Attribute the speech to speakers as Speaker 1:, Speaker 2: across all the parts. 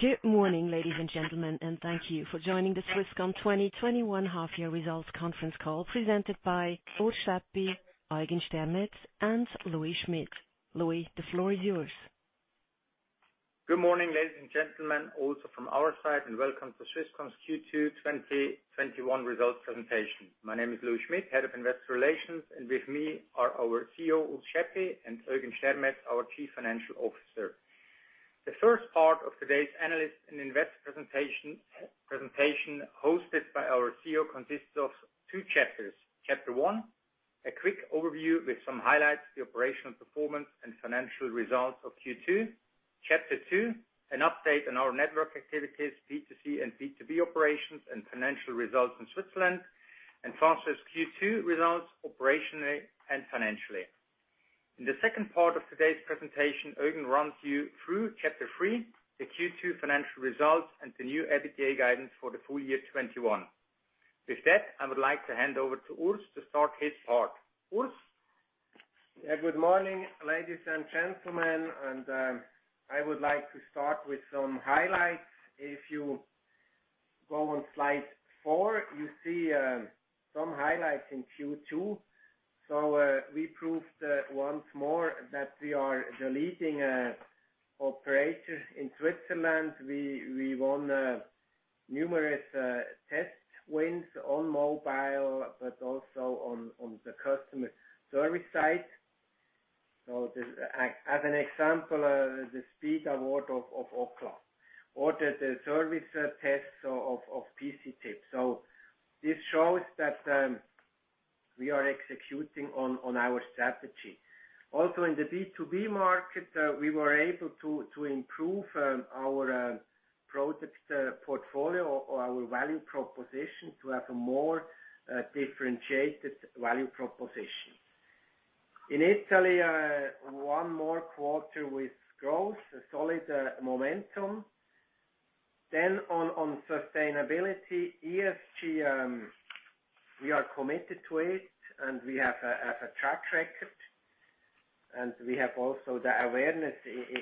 Speaker 1: Good morning, ladies and gentlemen, and thank you for joining the Swisscom 2021 half-year results conference call presented by Urs Schaeppi, Eugen Stermetz, and Louis Schmid. Louis, the floor is yours.
Speaker 2: Good morning, ladies and gentlemen, also from our side, and welcome to Swisscom's Q2 2021 results presentation. My name is Louis Schmid, Head of Investor Relations, and with me are our CEO, Urs Schaeppi, and Eugen Stermetz, our Chief Financial Officer. The first part of today's analyst and investor presentation hosted by our CEO consists of two chapters. Chapter one, a quick overview with some highlights, the operational performance, and financial results of Q2. Chapter two, an update on our network activities, B2C and B2B operations, and financial results in Switzerland, and Fastweb's Q2 results, operationally and financially. In the second part of today's presentation, Eugen runs you through chapter three, the Q2 financial results, and the new EBITDA guidance for the full year 2021. With that, I would like to hand over to Urs to start his part. Urs?
Speaker 3: Good morning, ladies and gentlemen. I would like to start with some highlights. If you go on slide four, you see some highlights in Q2. We proved once more that we are the leading operator in Switzerland. We won numerous test wins on mobile, but also on the customer service side. As an example, the speed award of Ookla or the service tests of PCtipp. This shows that we are executing on our strategy. In the B2B market, we were able to improve our product portfolio or our value proposition to have a more differentiated value proposition. In Italy, one more quarter with growth, a solid momentum. On sustainability, ESG, we are committed to it, and we have a track record, and we have also the awareness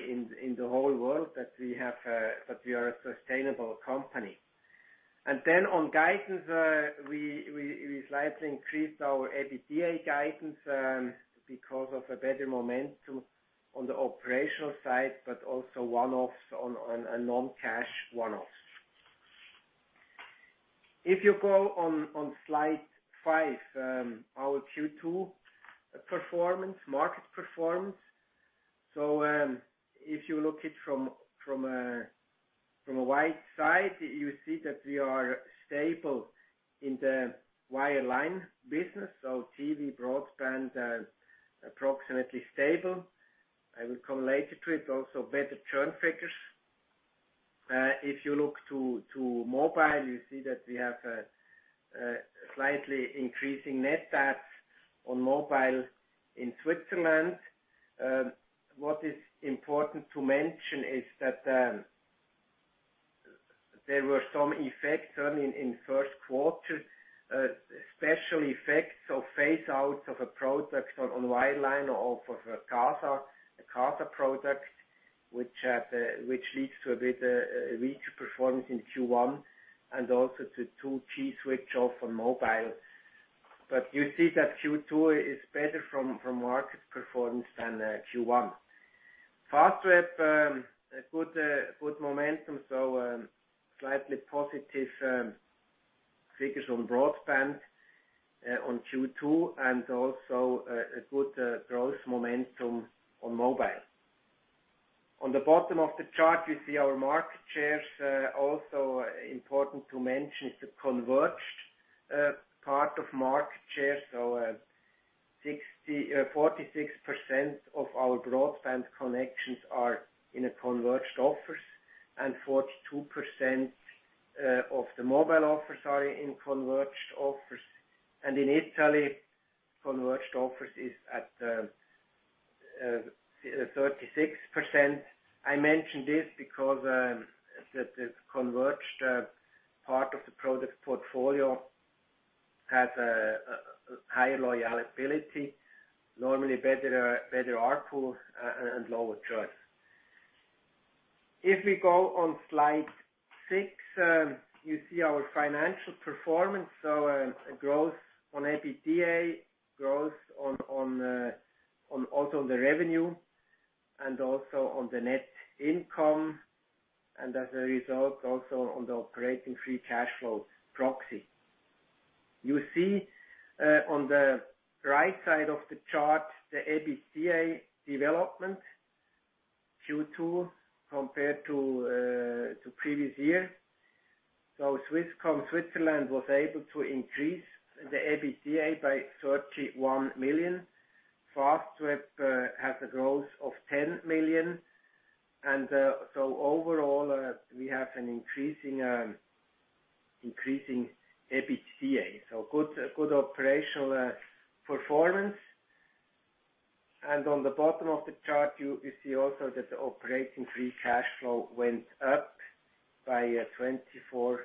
Speaker 3: in the whole world that we are a sustainable company. On guidance, we slightly increased our EBITDA guidance because of a better momentum on the operational side, but also one-offs on a non-cash one-offs. If you go on slide five, our Q2 performance, market performance. If you look it from a wide side, you see that we are stable in the wireline business. TV, broadband, approximately stable. I will come later to it, also better churn figures. If you look to mobile, you see that we have a slightly increasing net adds on mobile in Switzerland. What is important to mention is that there were some effects in first quarter, special effects of phase out of a product on wireline or for the Casa product, which leads to a weaker performance in Q1 and also to 2G switch off on mobile. You see that Q2 is better from market performance than Q1. Fastweb, a good momentum. Slightly positive figures on broadband on Q2 and also a good growth momentum on mobile. On the bottom of the chart, you see our market shares. Also important to mention is the converged part of market share. 46% of our broadband connections are in a converged offers and 42% of the mobile offers are in converged offers. In Italy, converged offers is at 36%. I mention this because the converged part of the product portfolio has a higher loyalability, normally better ARPU and lower churns. If we go on slide six, you see our financial performance. A growth on EBITDA, growth also on the revenue and also on the net income, and as a result, also on the operating free cash flow proxy. You see on the right side of the chart, the EBITDA development Q2 compared to previous year. Swisscom Switzerland was able to increase the EBITDA by 31 million. Fastweb has a growth of 10 million. Overall, we have an increasing EBITDA. Good operational performance. On the bottom of the chart, you see also that the operating free cash flow went up by 24%.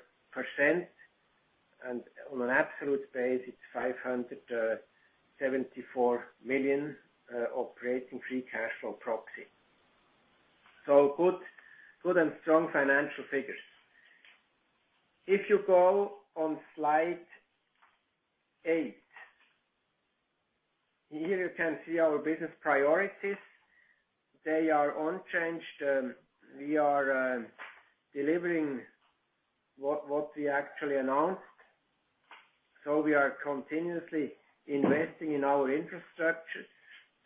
Speaker 3: On an absolute base, it's 574 million operating free cash flow proxy. Good and strong financial figures. If you go on slide eight. Here you can see our business priorities. They are unchanged. We are delivering what we actually announced. We are continuously investing in our infrastructure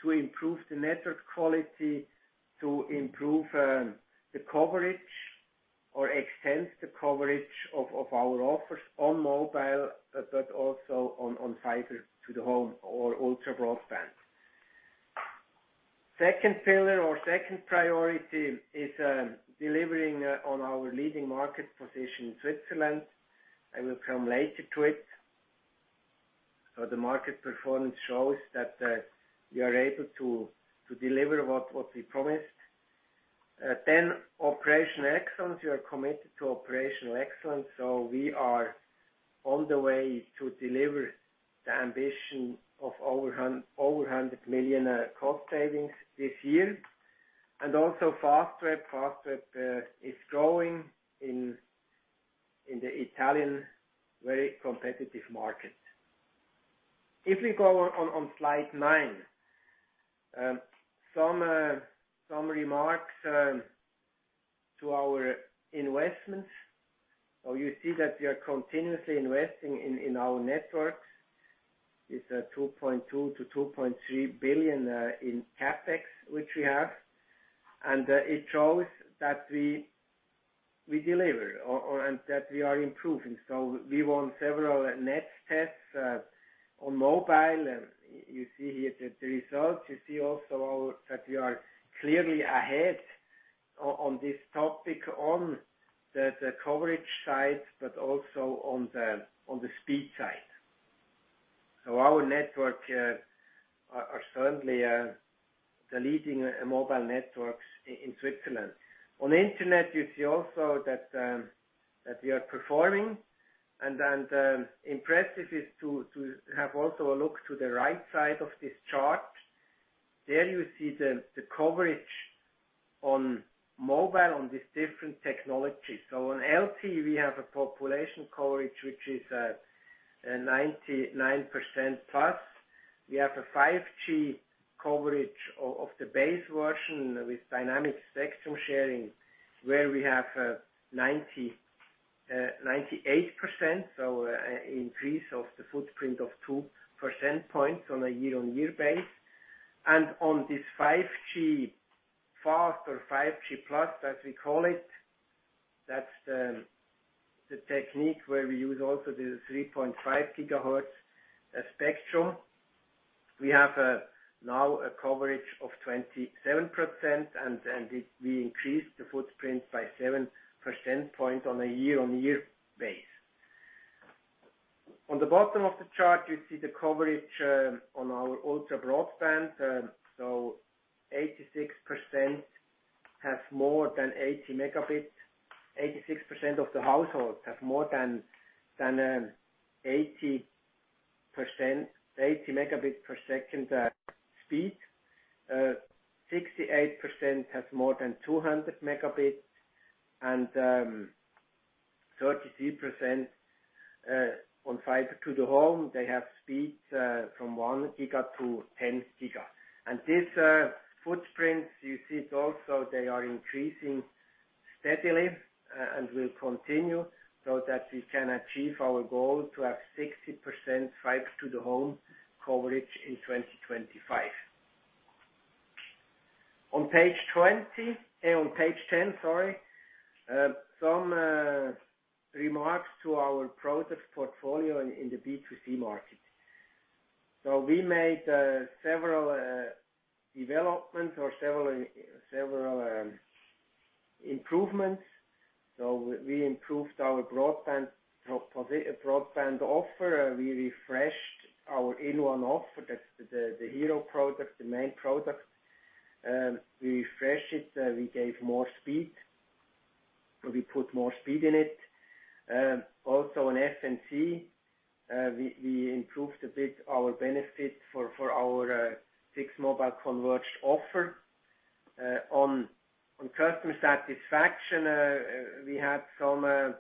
Speaker 3: to improve the network quality, to improve the coverage or extend the coverage of our offers on mobile, but also on fiber to the home or ultra broadband. Second pillar or second priority is delivering on our leading market position in Switzerland. I will come later to it. The market performance shows that we are able to deliver what we promised. Operational excellence. We are committed to operational excellence, we are on the way to deliver the ambition of over 100 million cost savings this year. Also Fastweb. Fastweb is growing in the Italian very competitive market. If we go on slide 9. Some remarks to our investments. You see that we are continuously investing in our networks. It's a 2.2 billion-2.3 billion in CapEx, which we have. It shows that we deliver and that we are improving. We won several net tests on mobile. You see here the results. You see also that we are clearly ahead on this topic on the coverage side, but also on the speed side. Our networks are certainly the leading mobile networks in Switzerland. On internet, you see also that we are performing. The impressive is to have also a look to the right side of this chart. There you see the coverage on mobile on these different technologies. On LTE, we have a population coverage, which is at 99% plus. We have a 5G coverage of the base version with dynamic spectrum sharing, where we have 98%. An increase of the footprint of 2% points on a year-on-year base. On this 5G FAST or 5G Plus, as we call it, that's the technique where we use also the 3.5 gigahertz spectrum. We have now a coverage of 27%, and we increased the footprint by 7% point on a year-on-year base. On the bottom of the chart, you see the coverage on our ultra broadband. 86% has more than 80 megabits. 86% of the households have more than 80 Mbps speed. 68% has more than 200 Mbps, and 33% on fiber to the home, they have speeds from 1 Gbps to 10 Gbps. These footprints, you see it also, they are increasing steadily and will continue so that we can achieve our goal to have 60% fiber to the home coverage in 2025. On page 10, some remarks to our products portfolio in the B2C market. We made several developments or several improvements. We improved our broadband offer. We refreshed our inOne offer. That's the hero product, the main product. We refresh it, we gave more speed. We put more speed in it. Also on FMC, we improved a bit our benefit for our fixed mobile converged offer. On customer satisfaction, we had some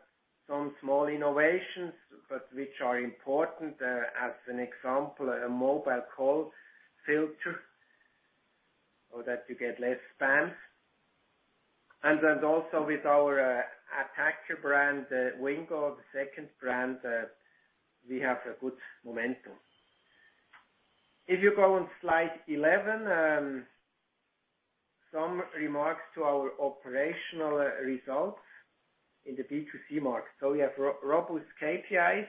Speaker 3: small innovations, but which are important. As an example, a mobile call filter so that you get less spam. Then also with our attacker brand, Wingo, the second brand, we have a good momentum. If you go on slide 11, some remarks to our operational results in the B2C market. We have robust KPIs.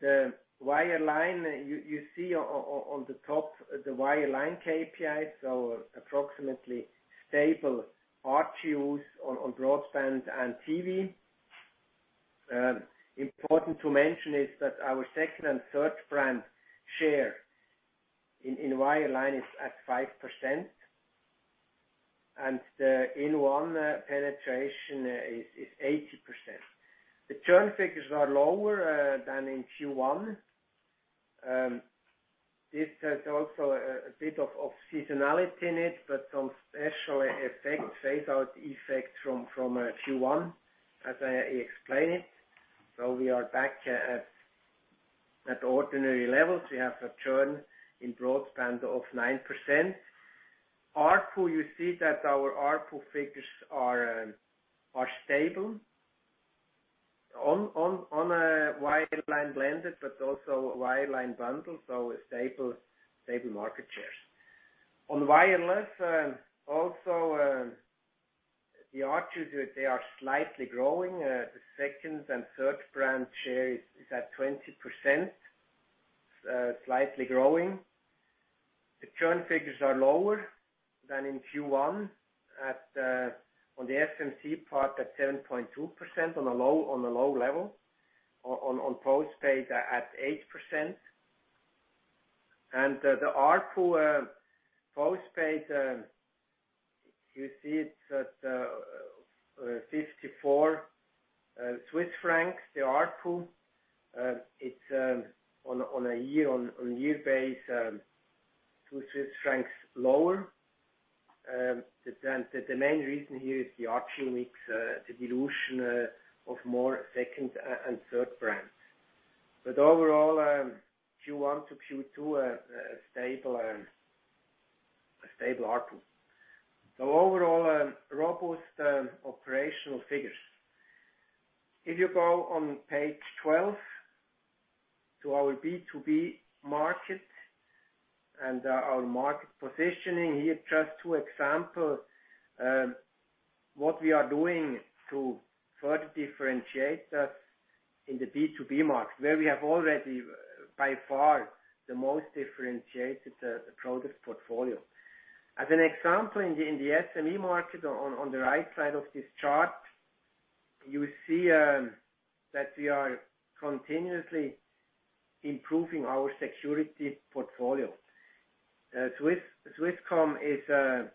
Speaker 3: The wireline, you see on the top, the wireline KPIs, so approximately stable ARPUs on broadband and TV. Important to mention is that our second and third brand share in wireline is at 5%. The inOne penetration is 80%. The churn figures are lower than in Q1. This has also a bit of seasonality in it, but some special effect, phase out effect from Q1 as I explained. We are back at ordinary levels. We have a churn in broadband of 9%. ARPU, you see that our ARPU figures are stable on a wireline blended but also wireline bundle, stable market shares. On wireless, also the ARPU, they are slightly growing. The second and third brand share is at 20%, slightly growing. The churn figures are lower than in Q1 on the FMC part at 7.2%, on a low level. On postpaid at 8%. The ARPU postpaid, you see it's at 54 Swiss francs, the ARPU. It's on year base CHF 2 lower. The main reason here is the ARPU mix, the dilution of more second and third brands. Overall, Q1 to Q2, a stable ARPU. Overall, robust operational figures. If you go on page 12 to our B2B market and our market positioning. Here, just two example. What we are doing to further differentiate us in the B2B market, where we have already by far the most differentiated product portfolio. As an example, in the SME market on the right side of this chart, you see that we are continuously improving our security portfolio. Swisscom is the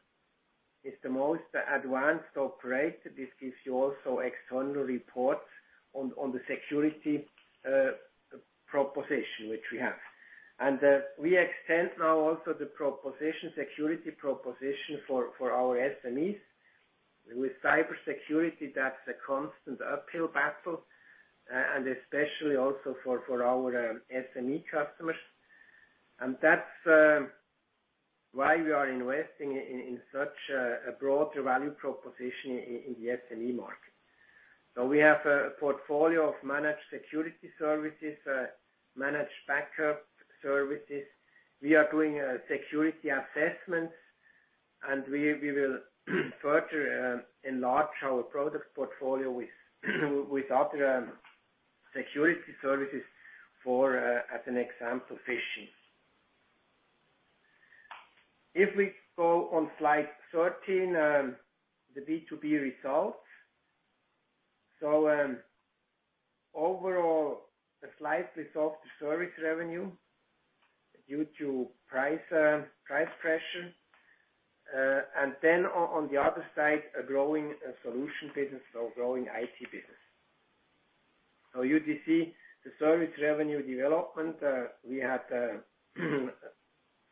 Speaker 3: most advanced operator. This gives you also external reports on the security proposition which we have. We extend now also the security proposition for our SMEs. With cybersecurity, that's a constant uphill battle, and especially also for our SME customers. That's why we are investing in such a broad value proposition in the SME market. We have a portfolio of managed security services, managed backup services. We are doing security assessments, and we will further enlarge our product portfolio with other security services for, as an example, phishing. If we go on slide 13, the B2B results. Overall, a slightly softer service revenue due to price pressure. On the other side, a growing solution business, so growing IT business. You do see the service revenue development. We had a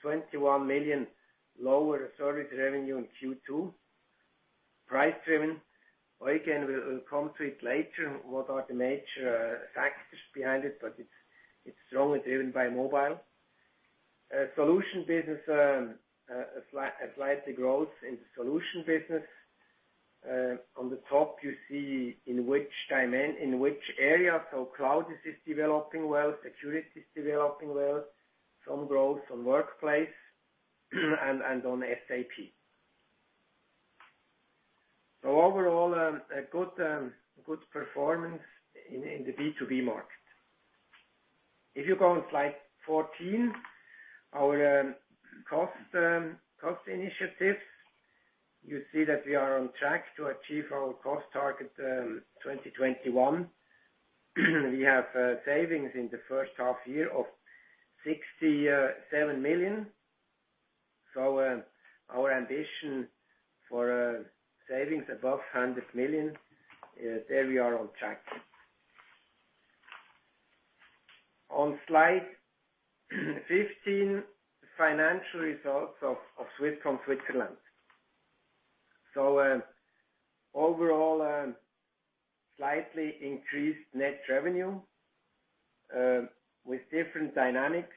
Speaker 3: 21 million lower service revenue in Q2. Price driven. Again, we'll come to it later, what are the major factors behind it, but it's strongly driven by mobile. Solution business, a slight growth in the solution business. On the top you see in which area. Cloud is developing well, security is developing well. Some growth on workplace and on SAP. Overall, a good performance in the B2B market. If you go on slide 14, our cost initiatives. You see that we are on track to achieve our cost target 2021. We have savings in the first half year of 67 million. Our ambition for savings above 100 million, there we are on track. On slide 15, financial results of Swisscom Switzerland. Overall, slightly increased net revenue with different dynamics.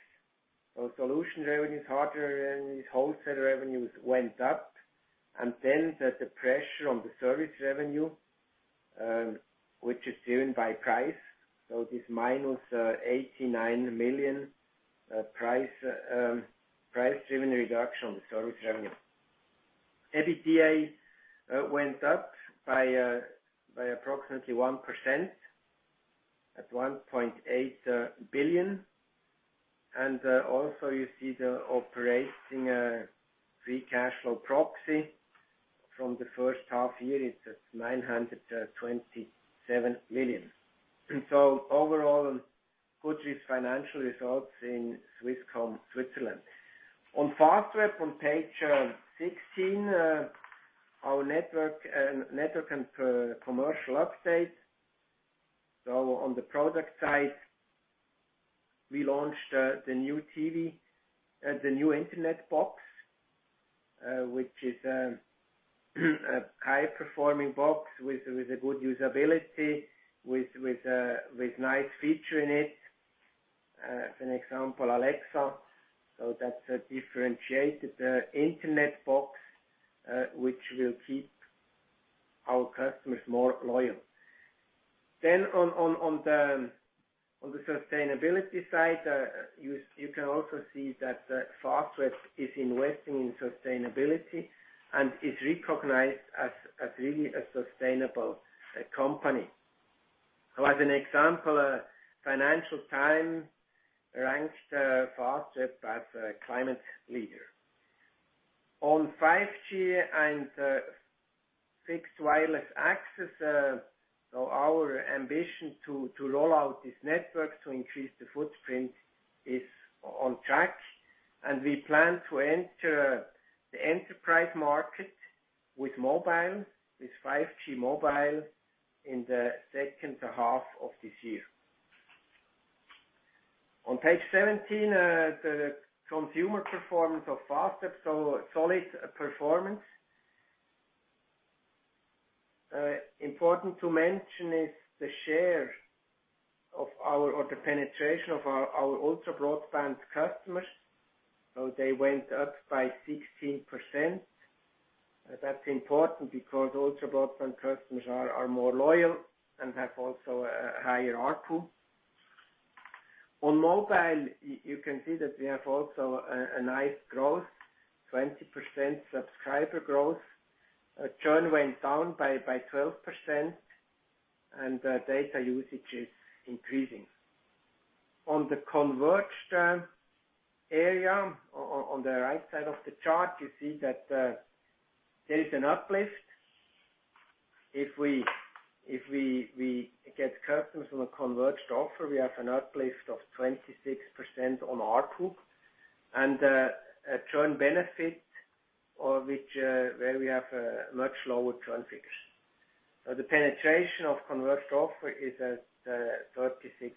Speaker 3: Solution revenues, hardware revenues, wholesale revenues went up. There's the pressure on the service revenue, which is driven by price. This -89 million price-driven reduction on the service revenue. EBITDA went up by approximately 1%, at 0.8 billion. Also you see the operating free cash flow proxy from the first half year is at 927 million. Overall good with financial results in Swisscom Switzerland. On Fastweb, on page 16, our network and commercial update. On the product side, we launched the new Internet box, which is a high-performing box with a good usability, with nice feature in it. As an example, Alexa. That's a differentiated Internet box, which will keep our customers more loyal. On the sustainability side, you can also see that Fastweb is investing in sustainability and is recognized as really a sustainable company. As an example, Financial Times ranked Fastweb as a climate leader. On 5G and fixed wireless access. Our ambition to roll out these networks to increase the footprint is on track. We plan to enter the enterprise market with mobile, with 5G mobile in the second half of this year. On page 17, the consumer performance of Fastweb, so solid performance. Important to mention is the share or the penetration of our ultra-broadband customers. They went up by 16%. That's important because ultra-broadband customers are more loyal and have also a higher ARPU. On mobile, you can see that we have also a nice growth, 20% subscriber growth. Churn went down by 12%. Data usage is increasing. On the converged area, on the right side of the chart, you see that there is an uplift. If we get customers on a converged offer, we have an uplift of 26% on ARPU. A churn benefit where we have a much lower churn figures. The penetration of converged offer is at 36%.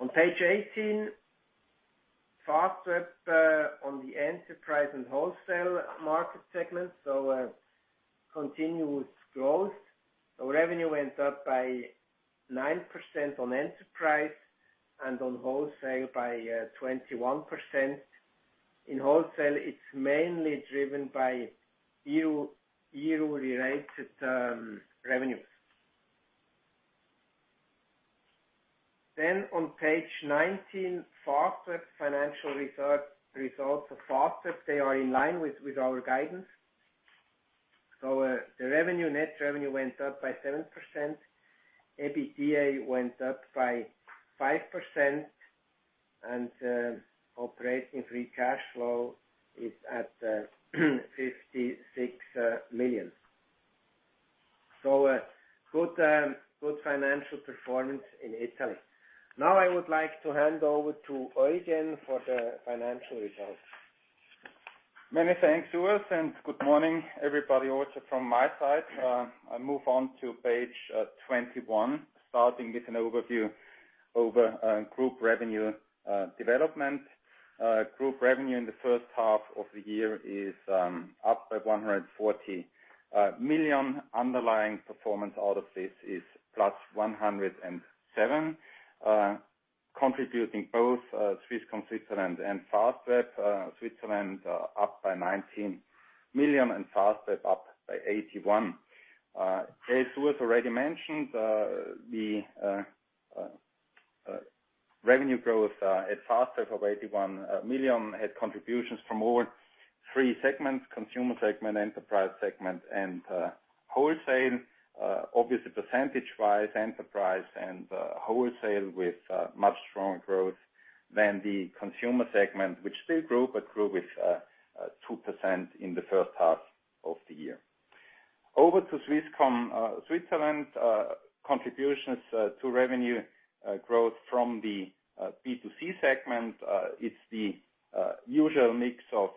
Speaker 3: On page 18, Fastweb on the enterprise and wholesale market segment. Continuous growth. Revenue went up by 9% on enterprise and on wholesale by 21%. In wholesale, it's mainly driven by EUR-related revenues. On page 19, Fastweb financial results. Fastweb, they are in line with our guidance. The revenue, net revenue went up by 7%. EBITDA went up by 5%, and operating free cash flow is at 56 million. Good financial performance in Italy. Now I would like to hand over to Eugen for the financial results.
Speaker 4: Many thanks, Urs, good morning everybody also from my side. I move on to page 21, starting with an overview over group revenue development. Group revenue in the first half of the year is up by 140 million. Underlying performance out of this is plus 107, contributing both Swisscom Switzerland and Fastweb. Switzerland up by 19 million and Fastweb up by 81. As Urs already mentioned, the revenue growth at Fastweb of 81 million had contributions from all three segments: consumer segment, enterprise segment, and wholesale. Obviously, percentage-wise, enterprise and wholesale with much stronger growth than the consumer segment, which still grew, but grew with 2% in the first half of the year. Over to Swisscom Switzerland. Contributions to revenue growth from the B2C segment. It's the usual mix of,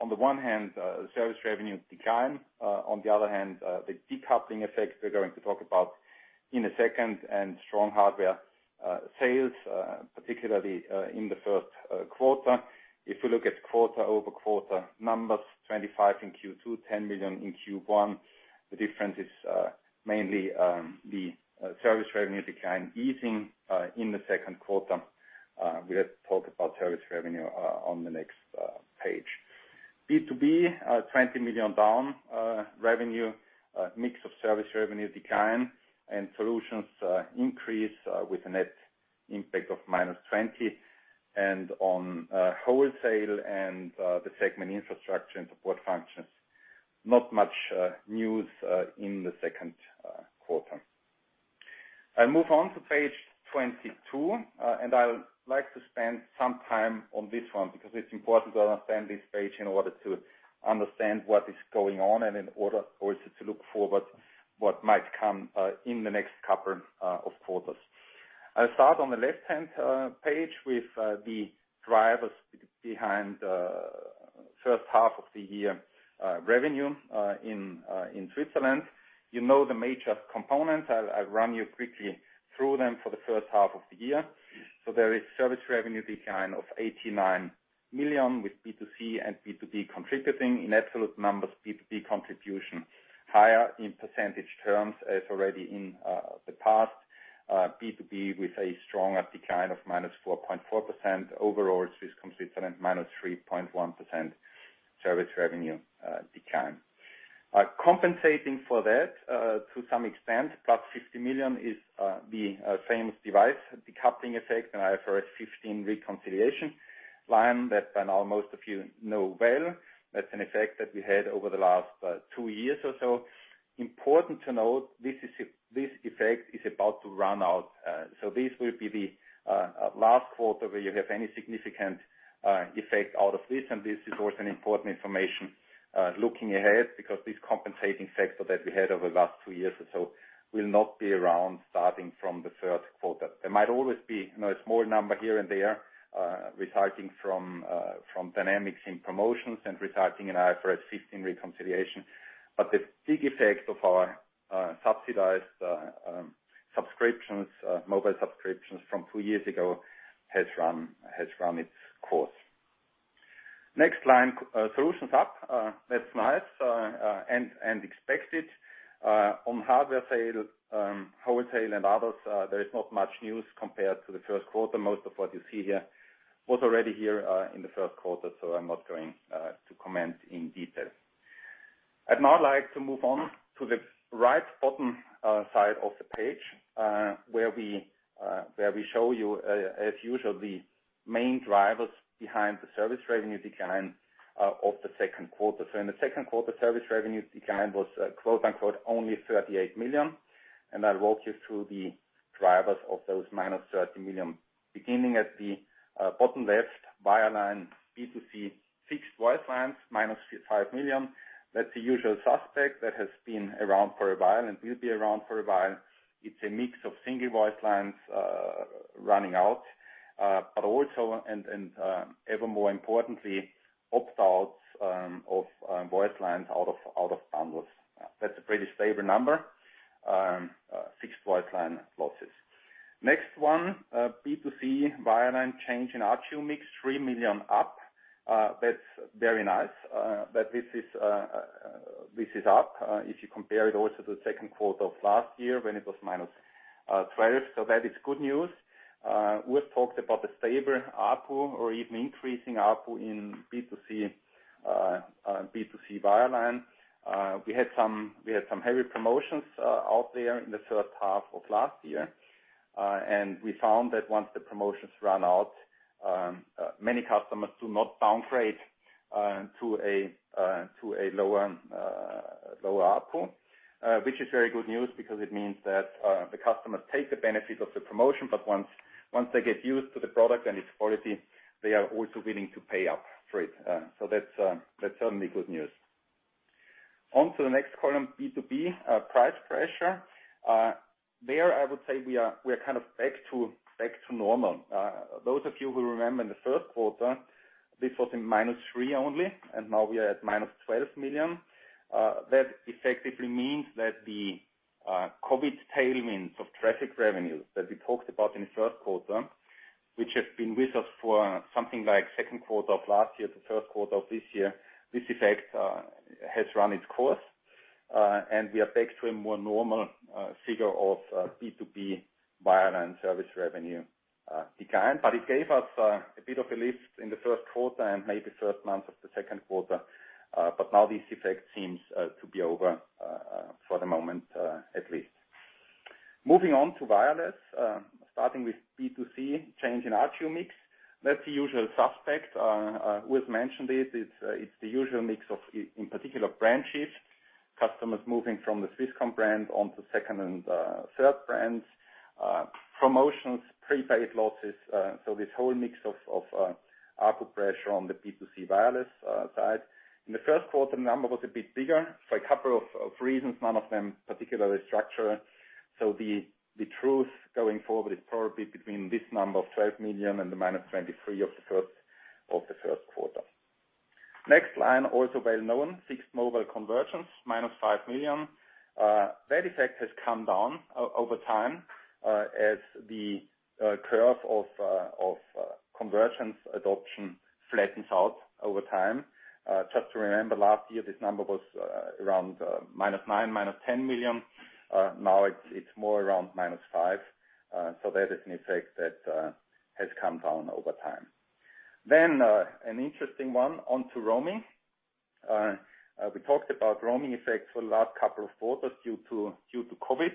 Speaker 4: on the one hand, service revenue decline. On the other hand, the decoupling effect we're going to talk about in a second, and strong hardware sales, particularly in the first quarter. If we look at quarter-over-quarter numbers, 25 million in Q2, 10 million in Q1. The difference is mainly the service revenue decline easing in the second quarter. We'll talk about service revenue on the next page. B2B, 20 million down revenue. Mix of service revenue decline and solutions increase with a net impact of -20 million. On wholesale and the segment infrastructure and support functions, not much news in the second quarter. I move on to page 22. I'd like to spend some time on this one because it's important to understand this page in order to understand what is going on and in order also to look forward what might come in the next couple of quarters. I'll start on the left-hand page with the drivers behind the first half of the year revenue in Switzerland. You know the major components. I'll run you quickly through them for the first half of the year. There is service revenue decline of 89 million, with B2C and B2B contributing. In absolute numbers, B2B contribution higher in percentage terms as already in the past. B2B with a stronger decline of -4.4%. Overall, Swisscom Switzerland, -3.1% service revenue decline. Compensating for that, to some extent, plus 50 million is the famous device decoupling effect and IFRS 15 reconciliation line that by now most of you know well. That's an effect that we had over the last two years or so. Important to note, this effect is about to run out. This will be the last quarter where you have any significant effect out of this, and this is also an important information looking ahead because this compensating factor that we had over the last two years or so will not be around starting from the first quarter. There might always be a small number here and there resulting from dynamics in promotions and resulting in IFRS 15 reconciliation. The big effect of our subsidized subscriptions, mobile subscriptions from two years ago has run its course. Next line, solutions up. That's nice and expected. On hardware sale, wholesale, and others, there is not much news compared to the first quarter. Most of what you see here was already here in the first quarter, so I'm not going to comment in detail. I'd now like to move on to the right bottom side of the page, where we show you, as usual, the main drivers behind the service revenue decline of the second quarter. In the second quarter, service revenue decline was only 38 million, and I'll walk you through the drivers of those -30 million. Beginning at the bottom left, wireline B2C fixed voice lines, -5 million. That's the usual suspect that has been around for a while and will be around for a while. It's a mix of single voice lines running out, but also, and ever more importantly, opt-outs of voice lines out of bundles. That's a pretty stable number, fixed voice line losses. Next one, B2C wireline change in ARPU mix, 3 million up. That's very nice. This is up if you compare it also to the second quarter of last year when it was -12. That is good news. We've talked about the stable ARPU or even increasing ARPU in B2C wireline. We had some heavy promotions out there in the first half of last year. We found that once the promotions run out, many customers do not downgrade to a lower ARPU, which is very good news because it means that the customers take the benefit of the promotion, but once they get used to the product and its quality, they are also willing to pay up for it. That's certainly good news. On to the next column, B2B, price pressure. There, I would say we are kind of back to normal. Those of you who remember in the 1st quarter, this was in -3 only, and now we are at -12 million. That effectively means that the COVID tailwinds of traffic revenue that we talked about in the first quarter, which have been with us for something like second quarter of last year to first quarter of this year, this effect has run its course, and we are back to a more normal figure of B2B wireline service revenue decline. It gave us a bit of a lift in the first quarter and maybe first months of the second quarter. Now this effect seems to be over for the moment, at least. Moving on to wireless, starting with B2C, change in ARPU mix. That's the usual suspect. Eugen has mentioned it. It's the usual mix of, in particular, brand shift, customers moving from the Swisscom brand onto second and third brands. Promotions, prepaid losses, this whole mix of ARPU pressure on the B2C wireless side. In the first quarter, the number was a bit bigger for a couple of reasons, none of them particularly structural. The truth going forward is probably between this number of 12 million and the -23 million of the first quarter. Next line, also well-known, fixed-mobile convergence, 5 million. That effect has come down over time, as the curve of convergence adoption flattens out over time. Just to remember, last year, this number was around min -9 million, -10 million. Now it's more around -5 million. That is an effect that has come down over time. An interesting one, onto roaming. We talked about roaming effects for the last couple of quarters due to COVID.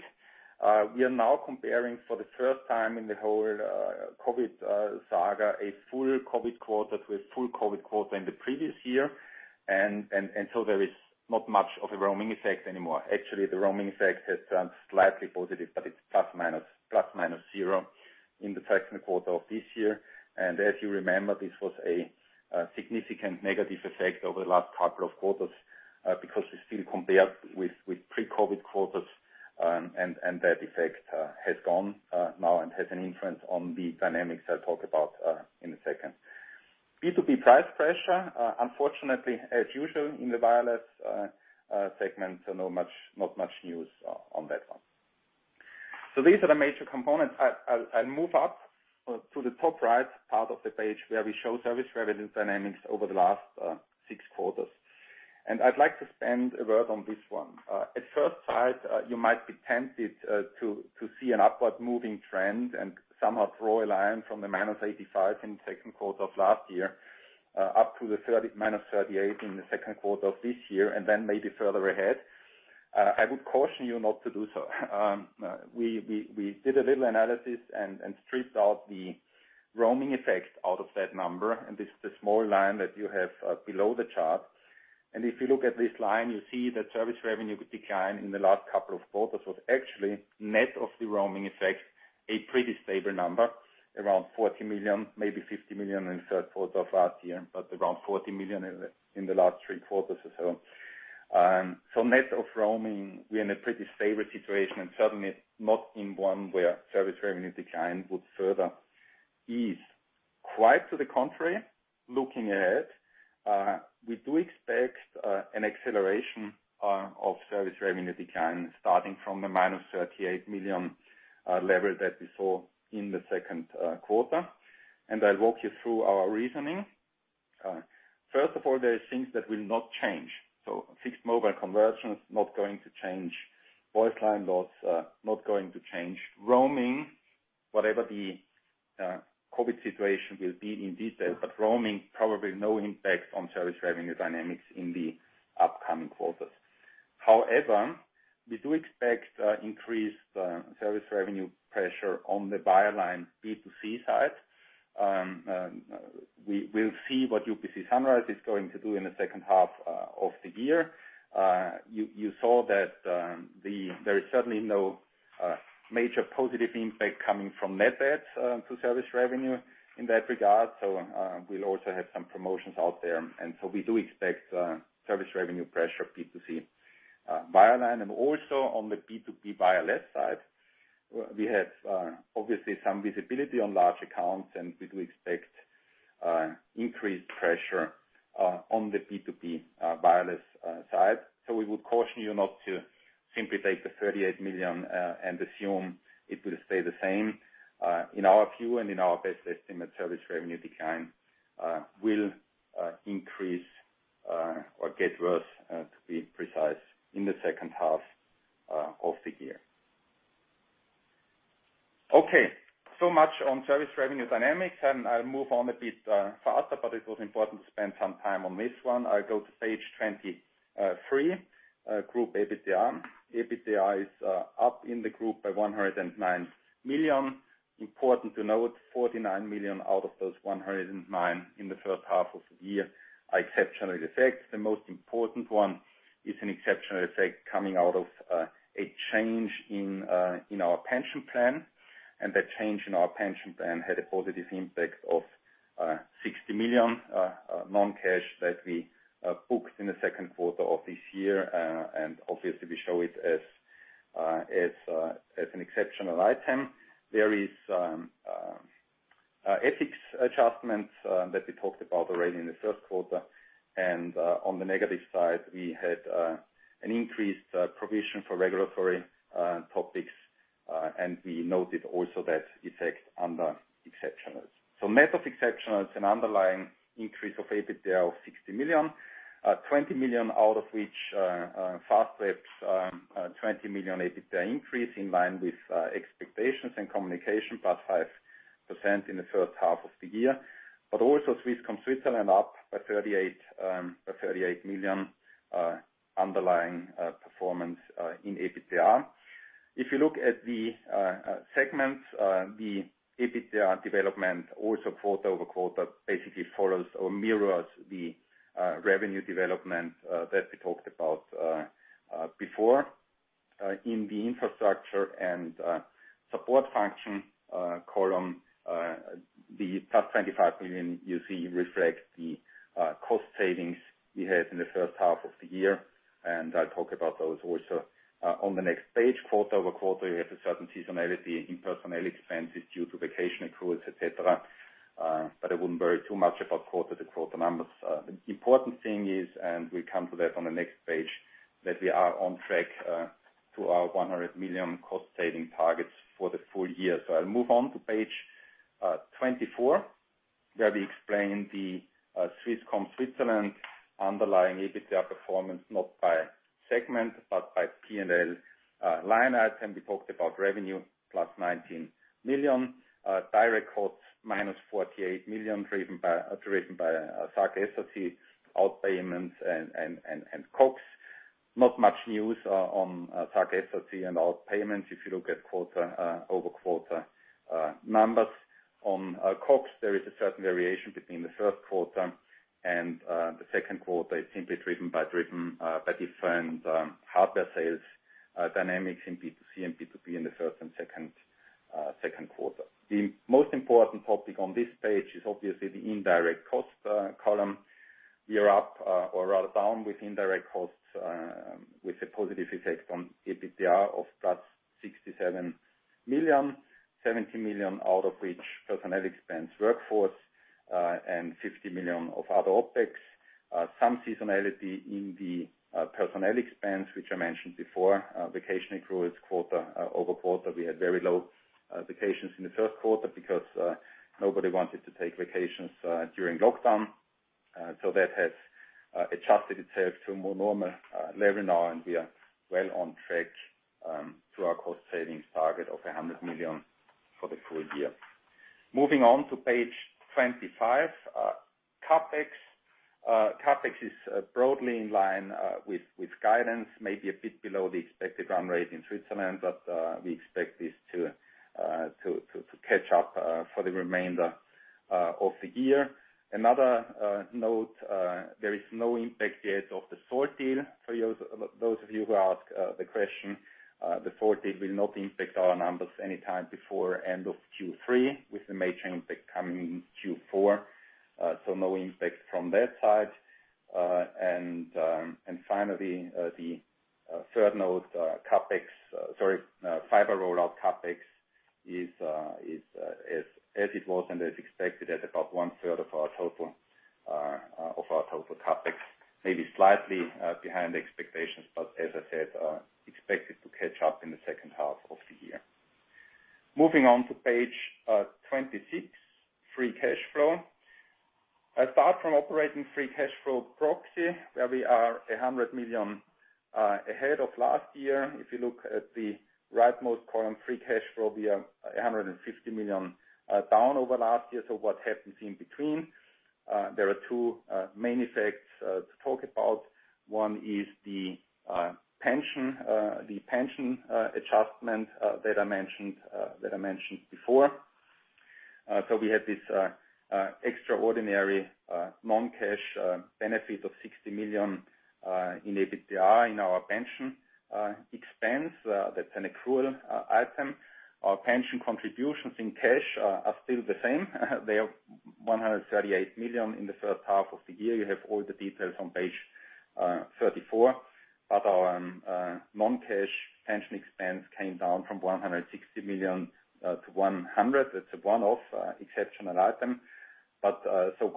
Speaker 4: We are now comparing for the first time in the whole COVID saga, a full COVID quarter to a full COVID quarter in the previous year. There is not much of a roaming effect anymore. Actually, the roaming effect has turned slightly positive, but it's plus minus zero in the second quarter of this year. As you remember, this was a significant negative effect over the last couple of quarters, because we still compared with pre-COVID quarters, and that effect has gone now and has an influence on the dynamics I'll talk about in a second. B2B price pressure, unfortunately, as usual in the wireless segment, not much news on that one. These are the major components. I'll move up to the top right part of the page where we show service revenue dynamics over the last six quarters. I'd like to spend a word on this one. At first sight, you might be tempted to see an upward moving trend and somehow draw a line from the -85 in the second quarter of last year, up to the -38 in the second quarter of this year, and then maybe further ahead. I would caution you not to do so. We did a little analysis and stripped out the roaming effects out of that number, and this is the small line that you have below the chart. If you look at this line, you see that service revenue decline in the last couple of quarters was actually net of the roaming effect, a pretty stable number, around 40 million, maybe 50 million in the third quarter of last year, but around 40 million in the last three quarters or so. Net of roaming, we're in a pretty stable situation and certainly not in one where service revenue decline would further ease. Quite to the contrary, looking ahead, we do expect an acceleration of service revenue decline starting from the -38 million level that we saw in the second quarter. I'll walk you through our reasoning. First of all, there are things that will not change. Fixed-mobile convergence, not going to change. Voice line loss, not going to change. Roaming, whatever the COVID situation will be in detail, roaming, probably no impact on service revenue dynamics in the upcoming quarters. We do expect increased service revenue pressure on the by-line B2C side. We will see what UPC Sunrise is going to do in the second half of the year. You saw that there is certainly no major positive impact coming from net adds to service revenue in that regard. We'll also have some promotions out there. We do expect service revenue pressure B2C by-line. Also on the B2B by-line side, we had obviously some visibility on large accounts, we do expect increased pressure on the B2B by-line side. We would caution you not to simply take the 38 million and assume it will stay the same. In our view and in our best estimate, service revenue decline will increase, or get worse, to be precise, in the second half of the year. Okay. Much on service revenue dynamics, and I'll move on a bit faster, but it was important to spend some time on this one. I'll go to page 23, group EBITDA. EBITDA is up in the group by 109 million. Important to note, 49 million out of those 109 in the 1st half of the year are exceptional effects. The most important one is an exceptional effect coming out of a change in our pension plan. That change in our pension plan had a positive impact of 60 million non-cash that we booked in the second quarter of this year. Obviously, we show it as an exceptional item. There is ethics adjustments that we talked about already in the first quarter. On the negative side, we had an increased provision for regulatory topics, and we noted also that effect under exceptionals. Net of exceptionals, an underlying increase of EBITDA of 60 million, 20 million out of which Fastweb's 20 million EBITDA increase in line with expectations and communication, plus 5% in the first half of the year. Also Swisscom Switzerland up by 38 million underlying performance in EBITDA. If you look at the segments, the EBITDA development also quarter-over-quarter basically follows or mirrors the revenue development that we talked about before. In the infrastructure and support function column, the plus 25 million you see reflects the cost savings we had in the first half of the year, and I'll talk about those also on the next page. Quarter-over-quarter, we have a certain seasonality in personnel expenses due to vacation accruals, et cetera. I wouldn't worry too much about quarter-to-quarter numbers. The important thing is, and we come to that on the next page, that we are on track to our 100 million cost-saving targets for the full year. I'll move on to page 24, where we explain the Swisscom Switzerland underlying EBITDA performance, not by segment, but by P&L line item. We talked about revenue plus 19 million. Direct costs, -48 million, driven by SAC, SRC outpayments and COGS. Not much news on SAC, SRC and outpayments. If you look at quarter-to-quarter numbers. On COGS, there is a certain variation between the first quarter and the second quarter. It's simply driven by different hardware sales dynamics in B2C and B2B in the first and second quarter. The most important topic on this page is obviously the indirect cost column. We are up, or rather down, with indirect costs, with a positive effect on EBITDA of plus 67 million, 70 million out of which personnel expense workforce, and 50 million of other OpEx. Some seasonality in the personnel expense, which I mentioned before. Vacation accruals quarter-over-quarter. We had very low vacations in the first quarter because nobody wanted to take vacations during lockdown. That has adjusted itself to a more normal level now, and we are well on track to our cost savings target of 100 million for the full year. Moving on to page 25. CapEx. CapEx is broadly in line with guidance, maybe a bit below the expected run rate in Switzerland, but we expect this to catch up for the remainder of the year. Another note, there is no impact yet of the Salt deal for those of you who ask the question. The Salt deal will not impact our numbers anytime before end of Q3, with the main impact coming in Q4. No impact from that side. Finally, the third note, fiber rollout CapEx is as it was and as expected at about one third of our total CapEx. Maybe slightly behind expectations, but as I said, expected to catch up in the second half of the year. Moving on to page 26, free cash flow. I start from operating free cash flow proxy, where we are 100 million ahead of last year. If you look at the rightmost column, free cash flow, we are 150 million down over last year. What happens in between? There are two main effects to talk about. One is the pension adjustment that I mentioned before. We had this extraordinary non-cash benefit of 60 million in EBITDA in our pension expense. That's an accrual item. Our pension contributions in cash are still the same. They are 138 million in the first half of the year. You have all the details on page 34. Our non-cash pension expense came down from 160 million to 100 million. That's a one-off exceptional item.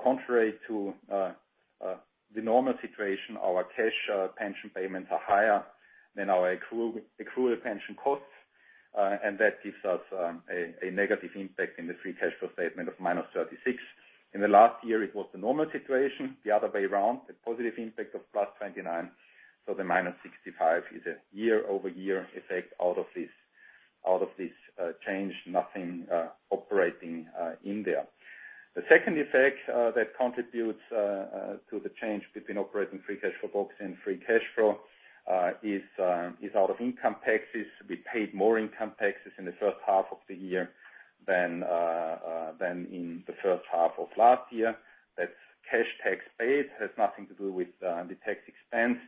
Speaker 4: Contrary to the normal situation, our cash pension payments are higher than our accrued pension costs, and that gives us a negative impact in the free cash flow statement of -36. In the last year, it was the normal situation, the other way around, a positive impact of plus 29. The -65 is a year-over-year effect out of this change. Nothing operating in there. The second effect that contributes to the change between operating free cash flow costs and free cash flow is out of income taxes. We paid more income taxes in the first half of the year than in the first half of last year. That's cash tax paid, has nothing to do with the tax expense.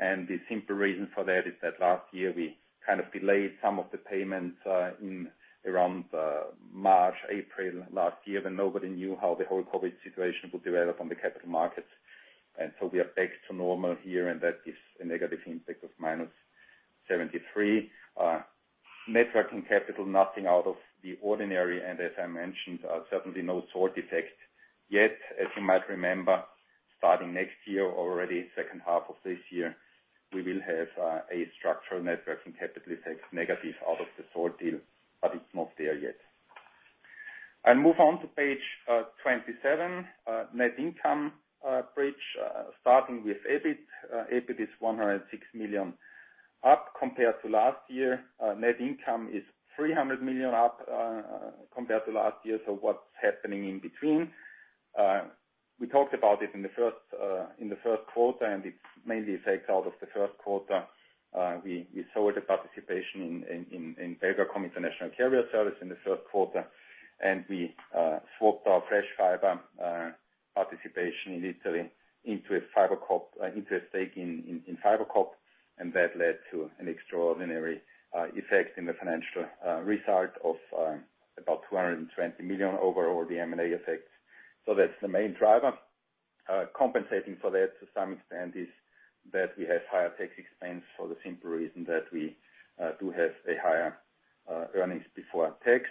Speaker 4: The simple reason for that is that last year we delayed some of the payments in around March, April last year, when nobody knew how the whole COVID situation would develop on the capital markets. We are back to normal here, and that is a negative impact of -73. Net working capital, nothing out of the ordinary. As I mentioned, certainly no Salt effect yet. As you might remember, starting next year, already second half of this year, we will have a structural net working capital effect negative out of the Salt deal, but it's not there yet. I move on to page 27. Net income bridge, starting with EBIT. EBIT is 106 million up compared to last year. Net income is 300 million up compared to last year. What's happening in between? We talked about it in the first quarter, and it's mainly effects out of the first quarter. We sold a participation in Belgacom International Carrier Services in the first quarter, and we swapped our Flash Fiber participation in Italy into a stake in FiberCop, and that led to an extraordinary effect in the financial result of about 220 million over all the M&A effects. That's the main driver. Compensating for that to some extent is that we have higher tax expense for the simple reason that we do have a higher earnings before tax.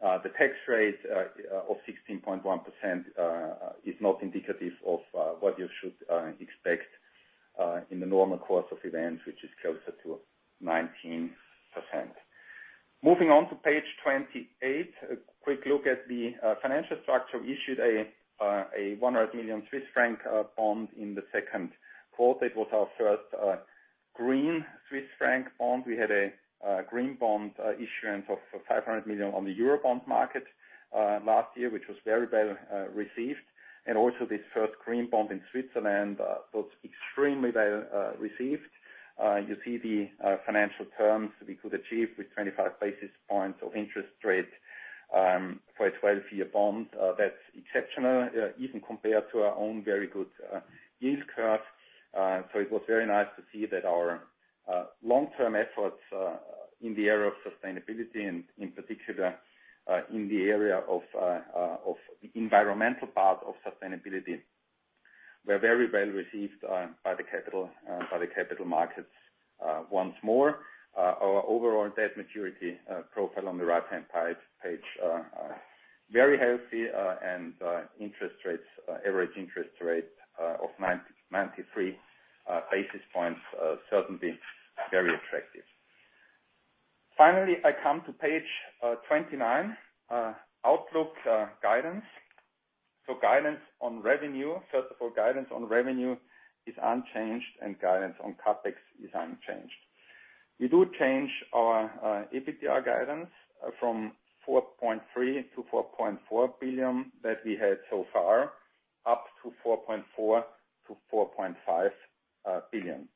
Speaker 4: The tax rate of 16.1% is not indicative of what you should expect in the normal course of events, which is closer to 19%. Moving on to page 28, a quick look at the financial structure. Issued a 100 million Swiss franc bond in the second quarter. It was our first green Swiss franc bond. We had a green bond issuance of 500 million on the Eurobond market last year, which was very well received. Also this first green bond in Switzerland was extremely well received. You see the financial terms we could achieve with 25 basis points of interest rate for a 12-year bond. That's exceptional, even compared to our own very good yield curve. It was very nice to see that our long-term efforts in the area of sustainability, and in particular in the area of environmental part of sustainability, were very well received by the capital markets once more. Our overall debt maturity profile on the right-hand side page, very healthy. Average interest rate of 93 basis points, certainly very attractive. I come to page 29, outlook guidance. Guidance on revenue. First of all, guidance on revenue is unchanged, and guidance on CapEx is unchanged. We do change our EBITDA guidance from 4.3 billion-4.4 billion that we had so far, up to 4.4 billion-4.5 billion.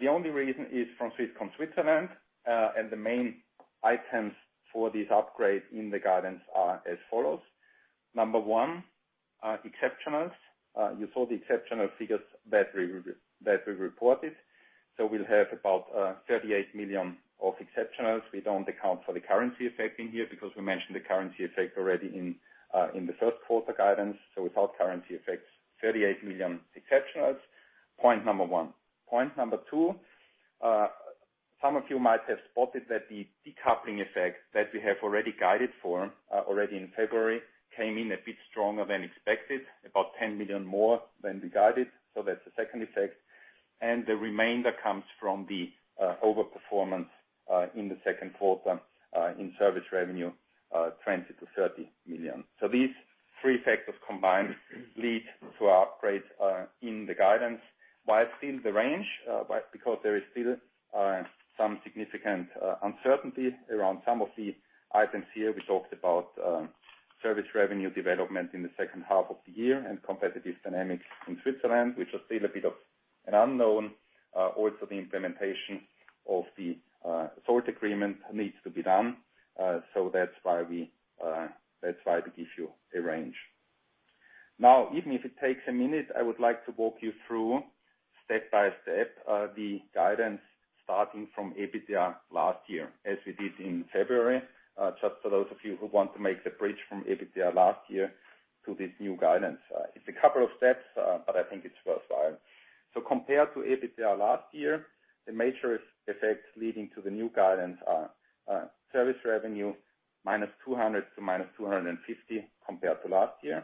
Speaker 4: The only reason is from Swisscom Switzerland. The main items for this upgrade in the guidance are as follows. Number one, exceptionals. You saw the exceptional figures that we reported. We'll have about 38 million of exceptionals. We don't account for the currency effect in here because we mentioned the currency effect already in the first quarter guidance. Without currency effects, 38 million exceptionals. Point number one. Point number two, some of you might have spotted that the decoupling effect that we have already guided for already in February came in a bit stronger than expected, about 10 million more than we guided. That's the second effect. The remainder comes from the over-performance in the second quarter in service revenue, 20 million-30 million. These three factors combined lead to our upgrade in the guidance. Why still the range? There is still some significant uncertainty around some of the items here. We talked about service revenue development in the second half of the year and competitive dynamics in Switzerland, which is still a bit of an unknown. Also, the implementation of the Salt agreement needs to be done. That's why we give you a range. Even if it takes a minute, I would like to walk you through, step by step, the guidance starting from EBITDA last year, as we did in February, just for those of you who want to make the bridge from EBITDA last year to this new guidance. It's a couple of steps, I think it's worthwhile. Compared to EBITDA last year, the major effects leading to the new guidance are service revenue -200 million to -250 million compared to last year.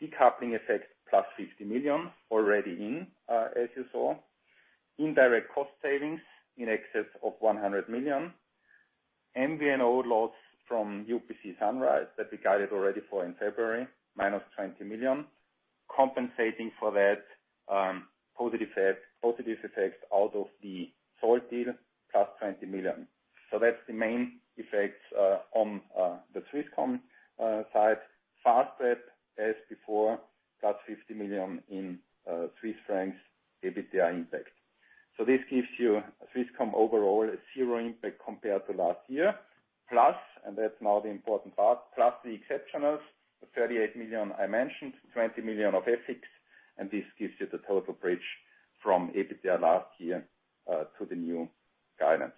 Speaker 4: Decoupling effect, plus 50 million already in, as you saw. Indirect cost savings in excess of 100 million. MVNO loss from UPC Sunrise that we guided already for in February, -20 million. Compensating for that, positive effects out of the Salt deal, plus 20 million. That's the main effects on the Swisscom side. Fastweb, as before, plus 50 million EBITDA impact. This gives you Swisscom overall a zero impact compared to last year. Plus, and that's now the important part, plus the exceptionals, the 38 million I mentioned, 20 million of FX, and this gives you the total bridge from EBITDA last year to the new guidance.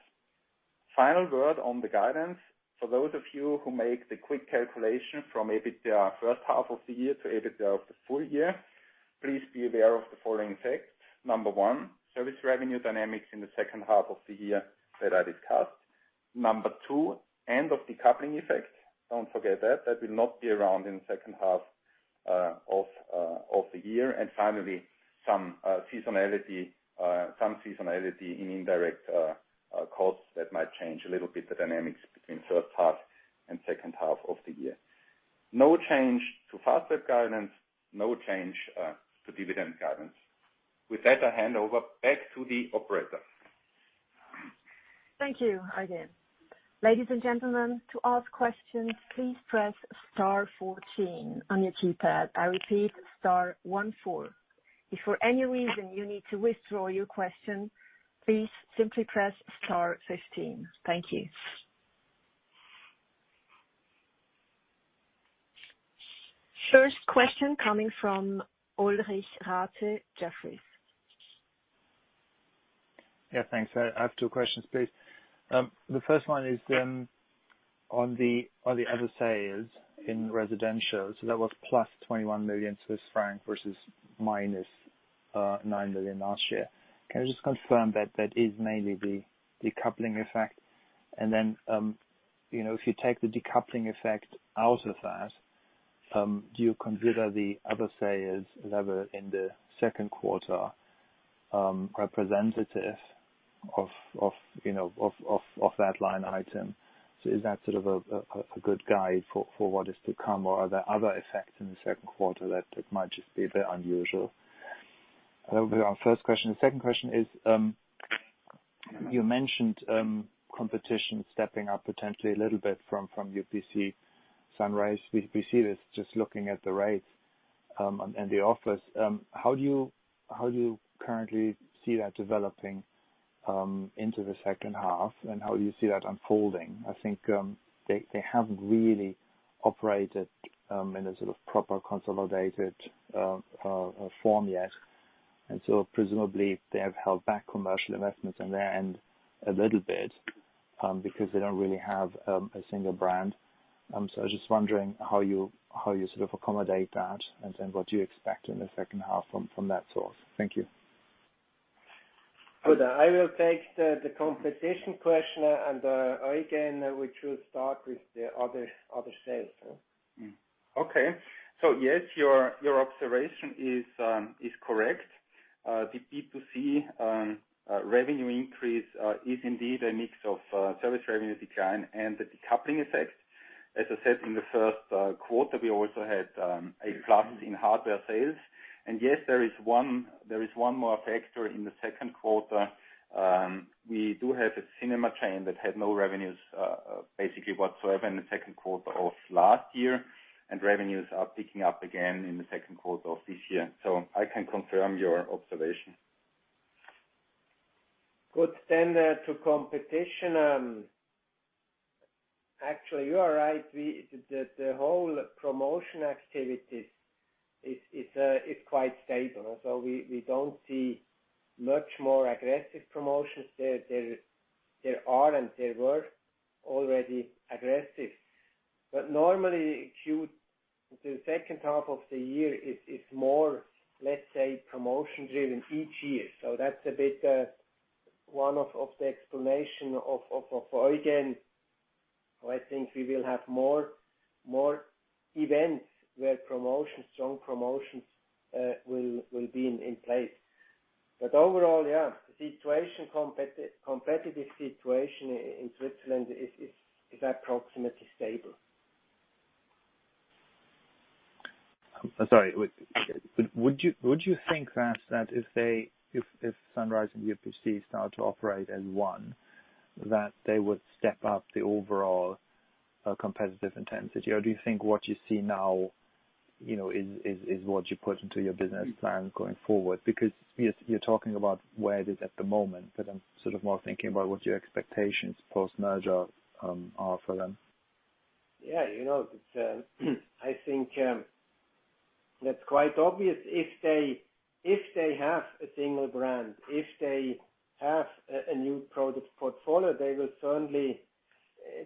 Speaker 4: Final word on the guidance. For those of you who make the quick calculation from EBITDA first half of the year to EBITDA of the full year, please be aware of the following facts. Number one, service revenue dynamics in the second half of the year that I discussed. Number two, end of decoupling effect. Don't forget that. That will not be around in the second half of the year. Finally, some seasonality in indirect costs that might change a little bit the dynamics between first half and second half of the year. No change to Fastweb guidance. No change to dividend guidance. With that, I hand over back to the operator.
Speaker 1: Thank you, Eugen. Ladies and gentlemen, to ask questions, please press star 14 on your keypad. I repeat, star one four. If for any reason you need to withdraw your question, please simply press star 15. Thank you. First question coming from Ulrich Rathe, Jefferies.
Speaker 5: Thanks. I have two questions, please. The first one is on the other sales in residential. That was plus 21 million Swiss franc versus -9 million last year. Can I just confirm that that is mainly the decoupling effect? If you take the decoupling effect out of that, do you consider the other sales level in the second quarter representative of that line item? Is that sort of a good guide for what is to come? Or are there other effects in the second quarter that might just be a bit unusual? That would be our first question. The second question is, you mentioned competition stepping up potentially a little bit from UPC Sunrise. We see this just looking at the rates and the offers. How do you currently see that developing into the second half, and how you see that unfolding? I think they haven't really operated in a sort of proper consolidated form yet, and so presumably they have held back commercial investments on their end a little bit because they don't really have a single brand. I was just wondering how you sort of accommodate that and what you expect in the second half from that source. Thank you.
Speaker 3: Good. I will take the competition question, and Eugen, we should start with the other sales.
Speaker 4: Yes, your observation is correct. The B2C revenue increase is indeed a mix of service revenue decline and the decoupling effect. As I said, in the first quarter, we also had a plus in hardware sales. Yes, there is one more factor in the second quarter. We do have a cinema chain that had no revenues basically whatsoever in the second quarter of last year, and revenues are picking up again in the second quarter of this year. I can confirm your observation.
Speaker 3: Good. To competition. Actually, you are right. The whole promotion activities is quite stable. We don't see much more aggressive promotions. They are and they were already aggressive. Normally, the second half of the year is more, let's say, promotion-driven each year. That's a bit one of the explanation of Eugen. I think we will have more events where strong promotions will be in place. Overall, yeah, competitive situation in Switzerland is approximately stable.
Speaker 5: Sorry. Would you think that if Sunrise and UPC start to operate as one, that they would step up the overall competitive intensity? Or do you think what you see now is what you put into your business plan going forward? Because you're talking about where it is at the moment, but I'm sort of more thinking about what your expectations post-merger are for them.
Speaker 3: Yeah. I think that's quite obvious. If they have a single brand, if they have a new product portfolio, they will certainly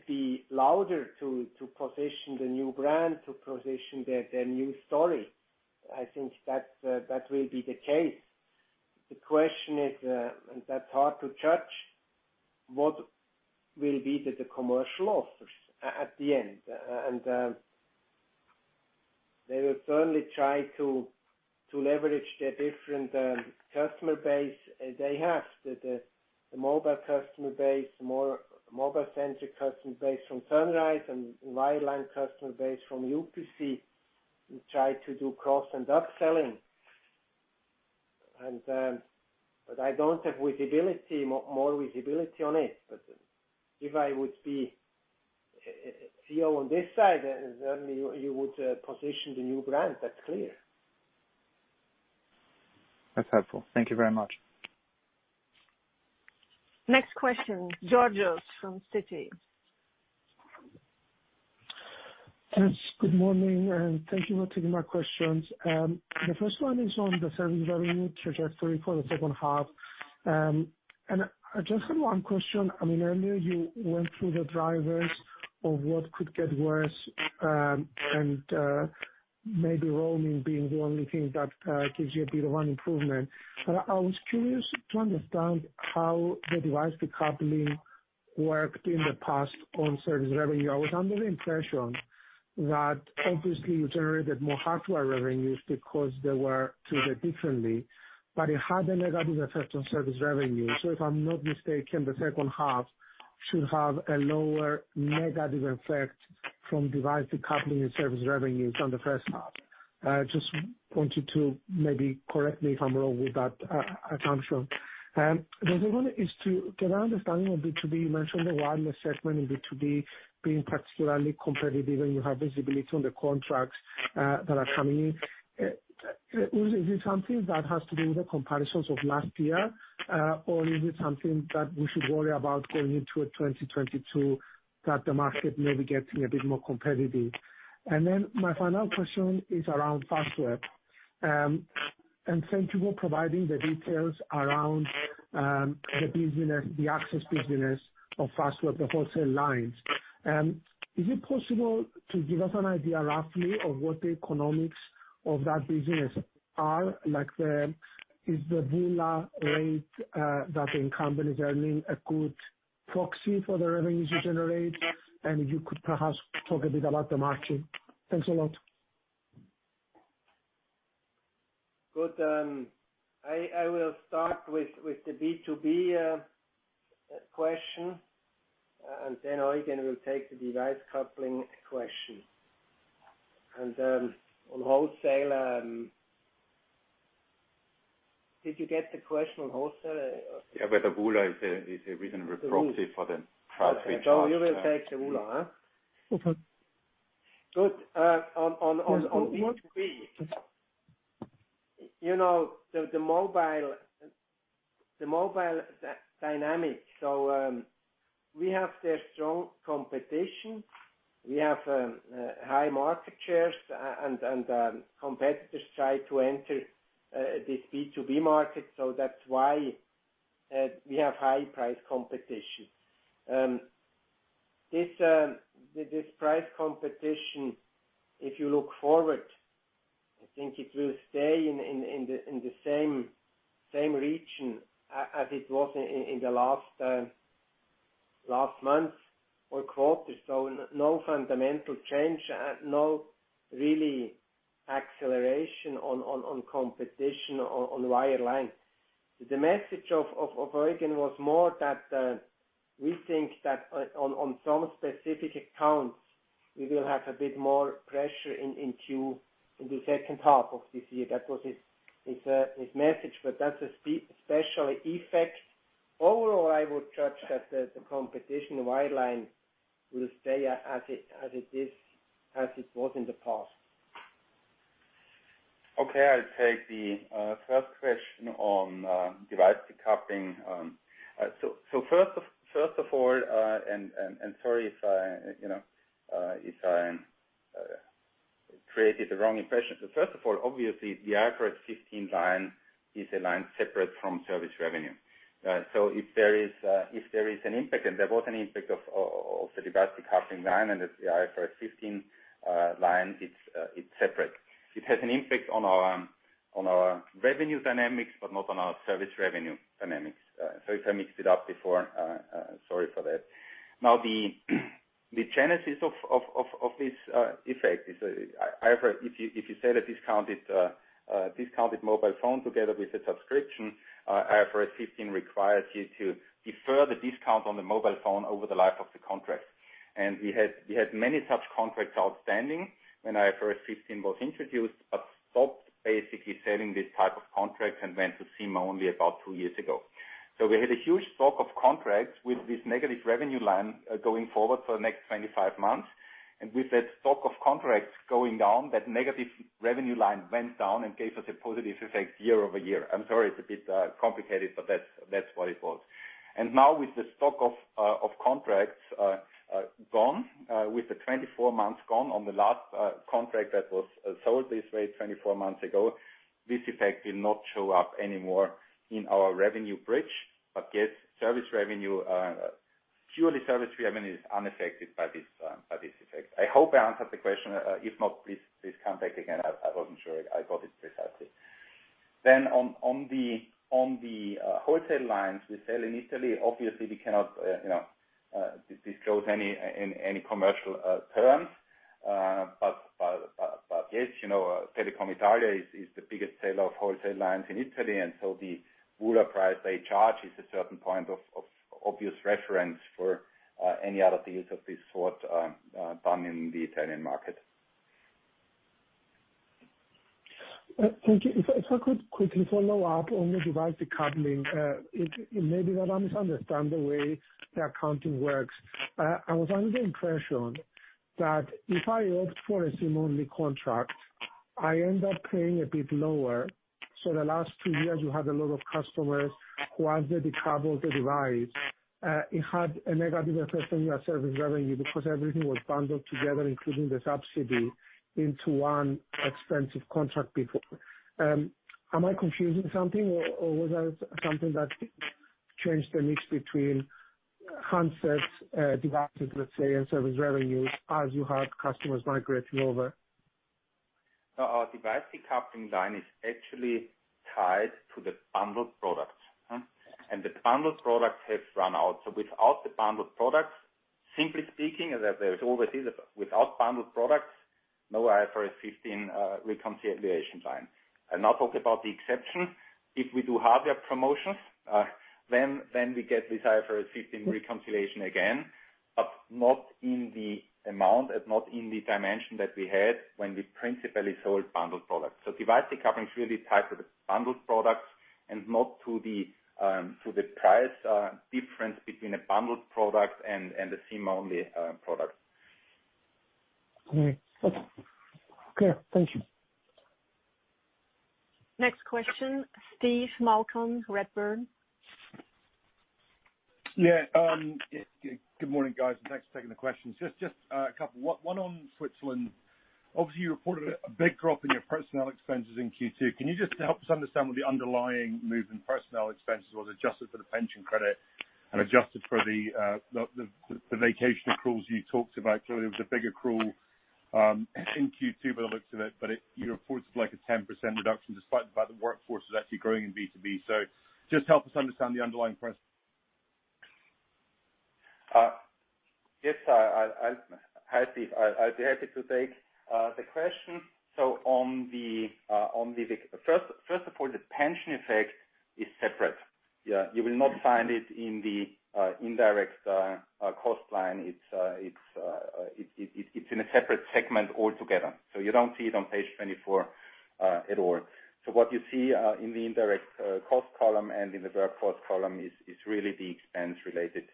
Speaker 3: be louder to position the new brand, to position their new story. I think that will be the case. The question is, and that's hard to judge, what will be the commercial offers at the end? They will certainly try to leverage their different customer base. They have the mobile customer base, mobile-centric customer base from Sunrise and wireline customer base from UPC, and try to do cross and upselling. I don't have more visibility on it. If I would be CEO on this side, then certainly you would position the new brand. That's clear.
Speaker 5: That's helpful. Thank you very much.
Speaker 1: Next question, Georgios from Citi.
Speaker 6: Yes, good morning. Thank you for taking my questions. The first one is on the service revenue trajectory for the second half. I just have one question. Earlier you went through the drivers of what could get worse, and maybe roaming being the only thing that gives you a bit of an improvement. I was curious to understand how the device decoupling worked in the past on service revenue. I was under the impression that obviously you generated more hardware revenues because they were treated differently, but it had a negative effect on service revenue. If I'm not mistaken, the second half should have a lower negative effect from device decoupling in service revenues than the first half. I just want you to maybe correct me if I'm wrong with that assumption. The second one is to get an understanding of B2B. You mentioned the wireless segment in B2B being particularly competitive, and you have visibility on the contracts that are coming in. Is it something that has to do with the comparisons of last year? Is it something that we should worry about going into 2022, that the market may be getting a bit more competitive? My final question is around Fastweb. Thank you for providing the details around the access business of Fastweb, the wholesale lines. Is it possible to give us an idea roughly of what the economics of that business are? Like, is the VULA rate that the incumbent is earning a good proxy for the revenues you generate? You could perhaps talk a bit about the margin. Thanks a lot.
Speaker 3: Good. I will start with the B2B question, and then Eugen will take the device coupling question. On wholesale, did you get the question on wholesale?
Speaker 4: Yeah, whether VULA is a reasonable proxy for the price we charge.
Speaker 3: You will take the VULA, huh?
Speaker 6: Okay.
Speaker 3: Good. On B2B.The mobile dynamic. We have there strong competition. We have high market shares, and competitors try to enter this B2B market. That's why we have high price competition. This price competition, if you look forward, I think it will stay in the same region as it was in the last months or quarters. No fundamental change, no really acceleration on competition on wireline. The message of Eugen was more that we think that on some specific accounts, we will have a bit more pressure in Q, in the second half of this year. That was his message, but that's a special effect. Overall, I would judge that the competition wireline will stay as it was in the past.
Speaker 4: I'll take the first question on device decoupling. First of all, sorry if I created the wrong impression. First of all, obviously, the IFRS 15 line is a line separate from service revenue. If there is an impact, there was an impact of the device decoupling line and the IFRS 15 line, it's separate. It has an impact on our revenue dynamics, not on our service revenue dynamics. Sorry if I mixed it up before, sorry for that. The genesis of this effect is, IFRS, if you sell a discounted mobile phone together with a subscription, IFRS 15 requires you to defer the discount on the mobile phone over the life of the contract. We had many such contracts outstanding when IFRS 15 was introduced, stopped basically selling this type of contract and went to SIM-only about two years ago. We had a huge stock of contracts with this negative revenue line going forward for the next 25 months. With that stock of contracts going down, that negative revenue line went down and gave us a positive effect year-over-year. I'm sorry, it's a bit complicated, but that's what it was. Now with the stock of contracts gone, with the 24 months gone on the last contract that was sold this way 24 months ago, this effect will not show up anymore in our revenue bridge. Yes, purely service revenue is unaffected by this effect. I hope I answered the question. If not, please come back again. I wasn't sure I got it precisely. On the wholesale lines we sell in Italy, obviously, we cannot disclose any commercial terms. Yes, Telecom Italia is the biggest seller of wholesale lines in Italy, and so the VULA price they charge is a certain point of obvious reference for any other deals of this sort done in the Italian market.
Speaker 6: Thank you. If I could quickly follow up on the device decoupling. It may be that I misunderstand the way the accounting works. I was under the impression that if I opt for a SIM-only contract, I end up paying a bit lower. The last two years, you had a lot of customers who, as they decoupled the device, it had a negative effect on your service revenue because everything was bundled together, including the subsidy, into one expensive contract before. Am I confusing something, or was that something that changed the mix between handsets, devices, let's say, and service revenue as you had customers migrating over?
Speaker 4: No, our device decoupling line is actually tied to the bundled product.
Speaker 6: Okay.
Speaker 4: The bundled product has run out. Without the bundled product, simply speaking, there's always this, without bundled products, no IFRS 15 reconciliation line. I'll talk about the exception. If we do hardware promotions, then we get this IFRS 15 reconciliation again, but not in the amount and not in the dimension that we had when we principally sold bundled products. Device decoupling is really tied to the bundled products and not to the price difference between a bundled product and the SIM-only product.
Speaker 6: Okay. Thank you.
Speaker 1: Next question, Steve Malcolm, Redburn.
Speaker 7: Yeah. Good morning, guys, and thanks for taking the questions. Just a couple. One on Switzerland. Obviously, you reported a big drop in your personnel expenses in Q2. Can you just help us understand what the underlying move in personnel expenses was, adjusted for the pension credit and adjusted for the vacation accruals you talked about? Clearly, it was a big accrual in Q2 by the looks of it, but you reported like a 10% reduction despite the fact the workforce was actually growing in B2B. Just help us understand the underlying personnel.
Speaker 4: Yes, I'd be happy to take the question. First of all, the pension effect is separate. You will not find it in the indirect cost line. It's in a separate segment altogether. You don't see it on page 24 at all. What you see in the indirect cost column and in the work cost column is really the expense related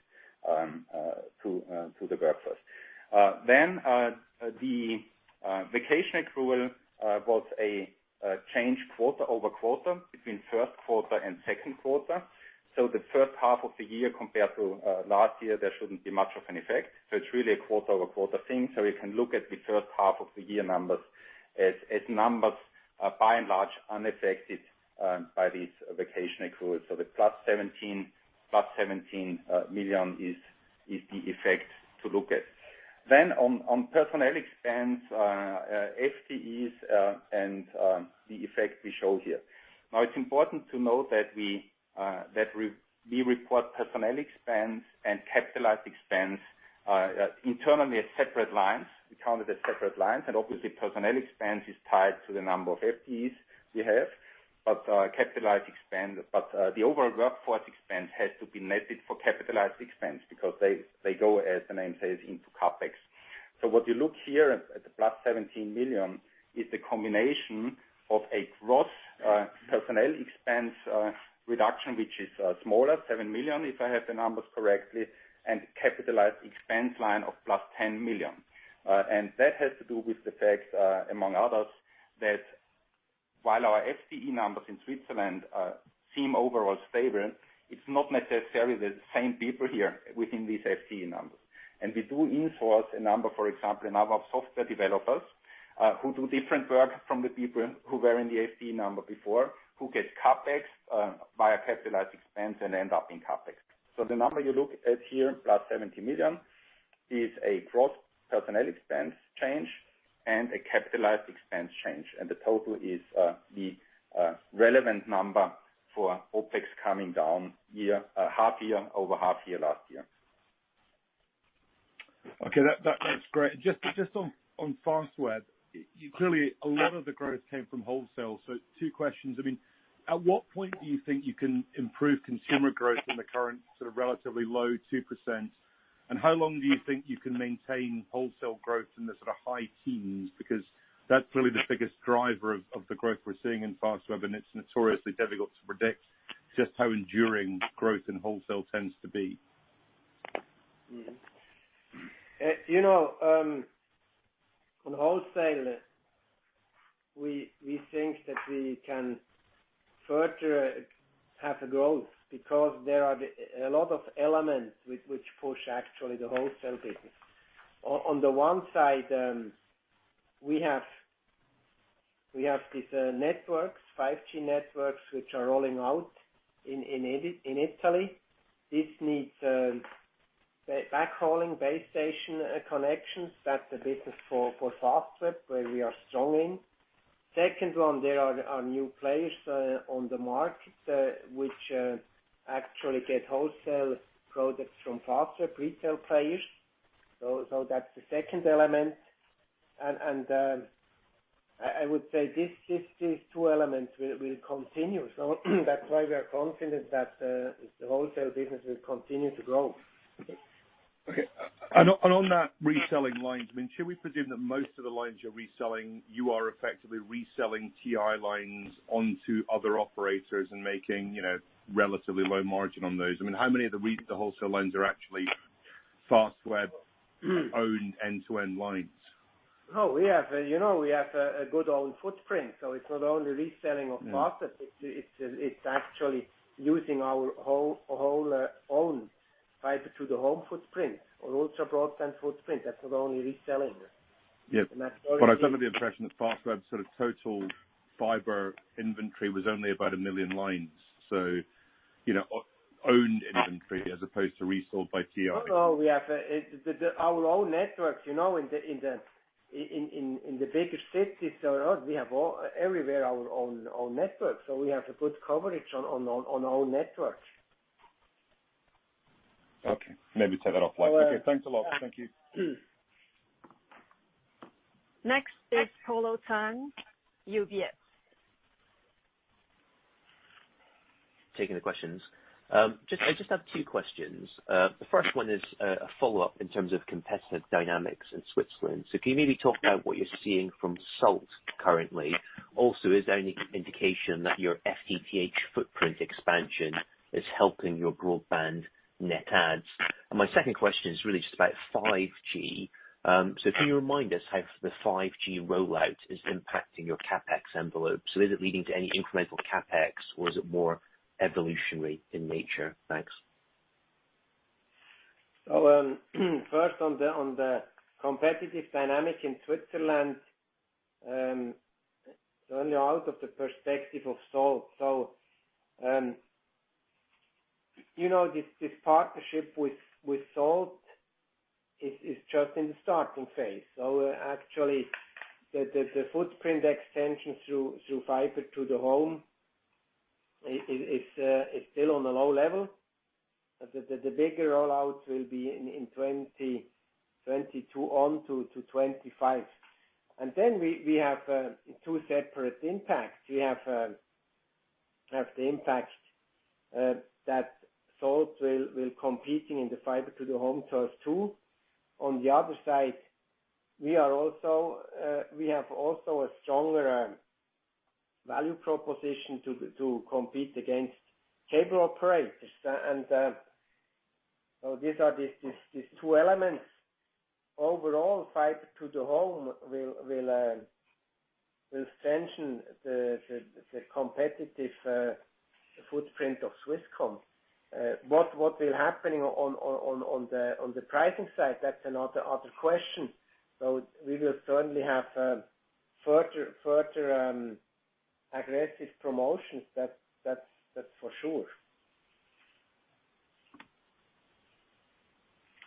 Speaker 4: to the workforce. The vacation accrual was a change quarter-over-quarter between first quarter and second quarter. The first half of the year compared to last year, there shouldn't be much of an effect. It's really a quarter-over-quarter thing. We can look at the first half of the year numbers as numbers by and large unaffected by these vacation accruals. The plus 17 million is the effect to look at. On personnel expense, FTEs and the effect we show here. Now it's important to note that we report personnel expense and capitalized expense internally as separate lines. We count it as separate lines. Obviously, personnel expense is tied to the number of FTEs we have. The overall workforce expense has to be netted for capitalized expense because they go, as the name says, into CapEx. What you look here at the +17 million is the combination of a gross personnel expense reduction, which is smaller, 7 million, if I have the numbers correctly, and capitalized expense line of +10 million. That has to do with the fact, among others, that while our FTE numbers in Switzerland seem overall stable, it's not necessarily the same people here within these FTE numbers. We do in-source a number, for example, a number of software developers, who do different work from the people who were in the FTE number before, who get CapEx via capitalized expense and end up in CapEx. The number you look at here, +70 million, is a gross personnel expense change and a capitalized expense change. The total is the relevant number for OpEx coming down over half year last year.
Speaker 7: Okay. That's great. Just on Fastweb, clearly a lot of the growth came from wholesale. Two questions. At what point do you think you can improve consumer growth in the current sort of relatively low 2%? How long do you think you can maintain wholesale growth in the sort of high teens? That's clearly the biggest driver of the growth we're seeing in Fastweb, and it's notoriously difficult to predict just how enduring growth in wholesale tends to be.
Speaker 3: On wholesale, we think that we can further have a growth because there are a lot of elements which push actually the wholesale business. On the one side, we have these networks, 5G networks, which are rolling out in Italy. This needs backhauling base station connections. That's a business for Fastweb, where we are strong in. Second one, there are new players on the market which actually get wholesale products from Fastweb retail players. That's the second element. I would say these two elements will continue. That's why we are confident that the wholesale business will continue to grow.
Speaker 7: Okay. On that reselling lines, should we presume that most of the lines you're reselling, you are effectively reselling TI lines onto other operators and making relatively low margin on those? How many of the wholesale lines are actually Fastweb-owned end-to-end lines?
Speaker 3: We have a good own footprint, so it's not only reselling of Fastweb. It's actually using our whole own fiber to the home footprint or ultra broadband footprint. That's not only reselling.
Speaker 7: Yeah. I was under the impression that Fastweb total fiber inventory was only about 1 million lines. Owned inventory as opposed to resold by TI.
Speaker 3: No. Our own networks in the bigger cities. We have everywhere our own network. We have a good coverage on our network.
Speaker 7: Okay. Maybe take that offline. Okay. Thanks a lot. Thank you.
Speaker 1: Next is Polo Tang, UBS.
Speaker 8: Taking the questions. I just have two questions. The first one is a follow-up in terms of competitive dynamics in Switzerland. Can you maybe talk about what you're seeing from Salt currently? Also, is there any indication that your FTTH footprint expansion is helping your broadband net adds? My second question is really just about 5G. Can you remind us how the 5G rollout is impacting your CapEx envelope? Is it leading to any incremental CapEx or is it more evolutionary in nature? Thanks.
Speaker 3: First on the competitive dynamic in Switzerland. Only out of the perspective of Salt. This partnership with Salt is just in the starting phase. Actually, the footprint extension through Fiber to the Home is still on a low level. The bigger rollout will be in 2022 on to 2025. We have two separate impacts. We have the impact that Salt will competing in the Fiber to the Home turf too. On the other side, we have also a stronger value proposition to compete against cable operators. These are these two elements. Overall, Fiber to the Home will strengthen the competitive footprint of Swisscom. What will happen on the pricing side, that's another question. We will certainly have further aggressive promotions, that's for sure.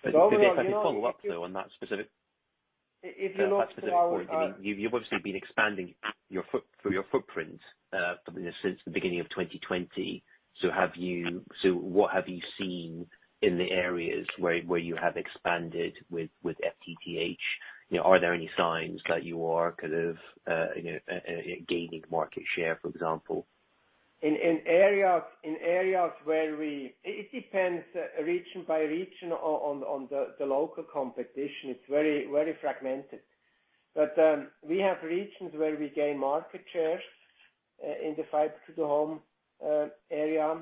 Speaker 8: If I can follow up though on that specific point.
Speaker 3: If you look to our-
Speaker 8: You've obviously been expanding your footprint since the beginning of 2020. What have you seen in the areas where you have expanded with FTTH? Are there any signs that you are gaining market share, for example?
Speaker 3: It depends region by region on the local competition. It's very fragmented. We have regions where we gain market shares in the fiber to the home area,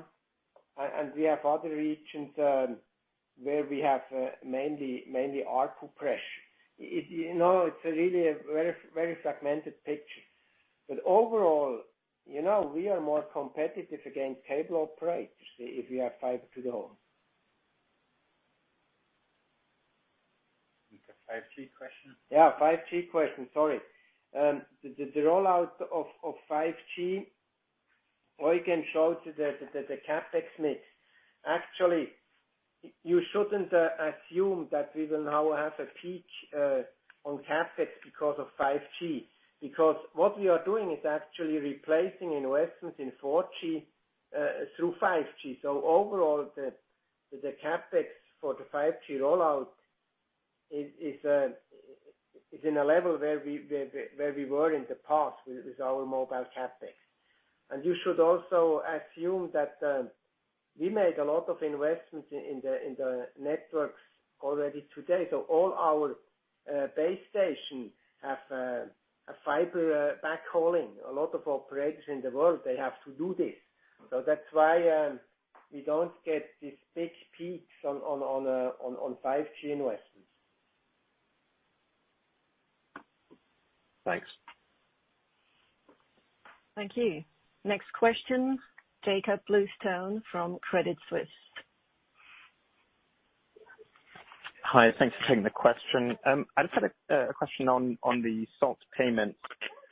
Speaker 3: and we have other regions where we have mainly ARPU pressure. It's a really very fragmented picture. Overall, we are more competitive against cable operators if we have fiber to the home.
Speaker 4: The 5G question.
Speaker 3: 5G question. Sorry. The rollout of 5G, or you can show to the CapEx mix. Actually, you shouldn't assume that we will now have a peak on CapEx because of 5G, because what we are doing is actually replacing investments in 4G through 5G. Overall, the CapEx for the 5G rollout is in a level where we were in the past with our mobile CapEx. You should also assume that we made a lot of investments in the networks already today. All our base stations have a fiber backhauling. A lot of operators in the world, they have to do this. That's why we don't get these big peaks on 5G investments.
Speaker 8: Thanks.
Speaker 1: Thank you. Next question, Jakob Bluestone from Credit Suisse.
Speaker 9: Hi, thanks for taking the question. I just had a question on the Salt payment.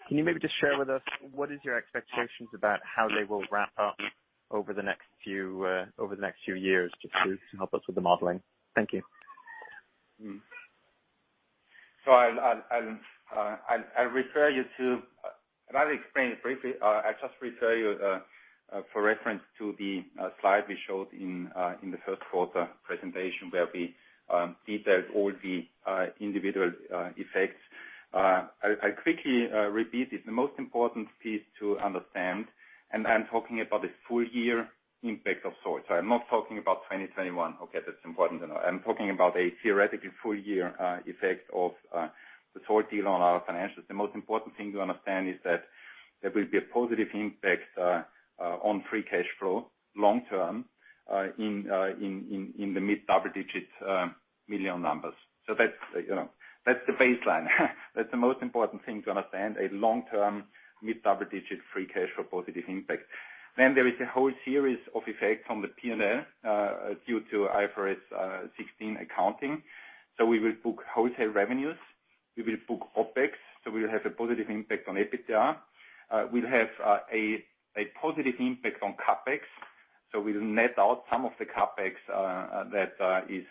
Speaker 9: Can you maybe just share with us what is your expectations about how they will ramp up over the next few years, just to help us with the modeling? Thank you.
Speaker 4: I'll refer you to. I'll explain it briefly. I just refer you for reference to the slide we showed in the first quarter presentation where we detailed all the individual effects. I'll quickly repeat it. The most important piece to understand, and I'm talking about the full year impact of Salt. I'm not talking about 2021. Okay? That's important to know. I'm talking about a theoretically full-year effect of the Salt deal on our financials. The most important thing to understand is that there will be a positive impact on free cash flow long term in the CHF mid double-digit million numbers. That's the baseline. That's the most important thing to understand, a long-term mid-double-digit free cash flow positive impact. There is a whole series of effects on the P&L due to IFRS 16 accounting. We will book wholesale revenues. We will book OpEx, so we will have a positive impact on EBITDA. We'll have a positive impact on CapEx. We'll net out some of the CapEx that is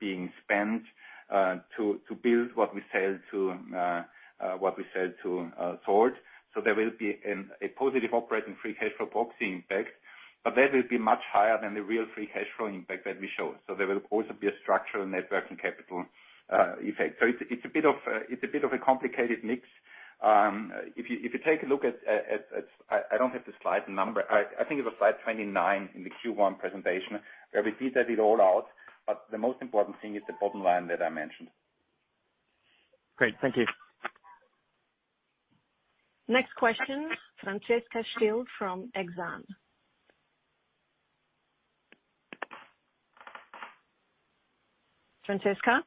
Speaker 4: being spent to build what we sell to Salt. There will be a positive operating free cash flow boxing impact, but that will be much higher than the real free cash flow impact that we show. There will also be a structural net working capital effect. It's a bit of a complicated mix. If you take a look at, I don't have the slide number. I think it was slide 29 in the Q1 presentation where we detailed it all out. The most important thing is the bottom line that I mentioned.
Speaker 9: Great. Thank you.
Speaker 1: Next question, Francesca Schild from Exane. Francesca?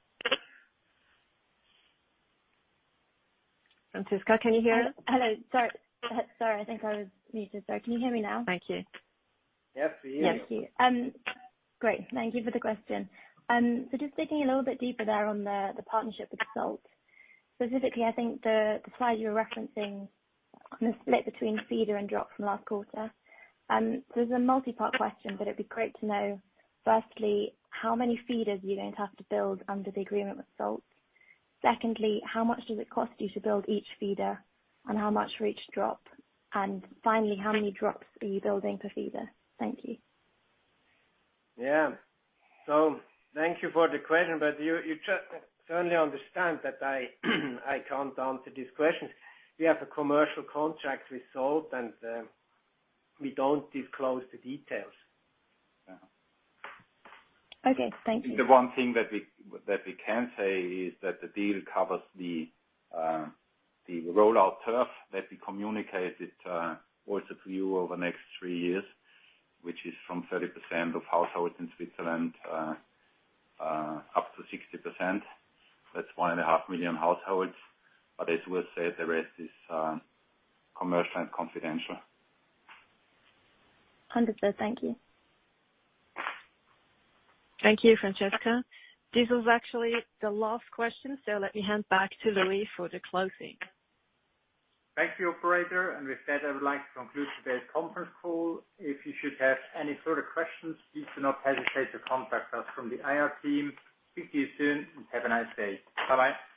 Speaker 1: Francesca, can you hear?
Speaker 10: Hello. Sorry, I think I was muted. Sorry. Can you hear me now?
Speaker 1: Thank you.
Speaker 4: Yes, we hear you.
Speaker 10: Yes. Great. Thank you for the question. Just digging a little bit deeper there on the partnership with Salt. Specifically, I think the slide you were referencing on the split between feeder and drop from last quarter. This is a multi-part question, but it'd be great to know, firstly, how many feeders are you going to have to build under the agreement with Salt? Secondly, how much does it cost you to build each feeder and how much for each drop? Finally, how many drops are you building per feeder? Thank you.
Speaker 3: Thank you for the question. You certainly understand that I can't answer these questions. We have a commercial contract with Salt, and we don't disclose the details.
Speaker 10: Okay. Thank you.
Speaker 4: The one thing that we can say is that the deal covers the rollout turf that we communicated also to you over the next three years, which is from 30% of households in Switzerland up to 60%. That's 1.5 million households. As we said, the rest is commercial and confidential.
Speaker 10: Understood. Thank you.
Speaker 1: Thank you, Francesca. This was actually the last question, so let me hand back to Louis for the closing.
Speaker 2: Thank you, operator. With that, I would like to conclude today's conference call. If you should have any further questions, please do not hesitate to contact us from the IR team. Speak to you soon, and have a nice day. Bye-bye.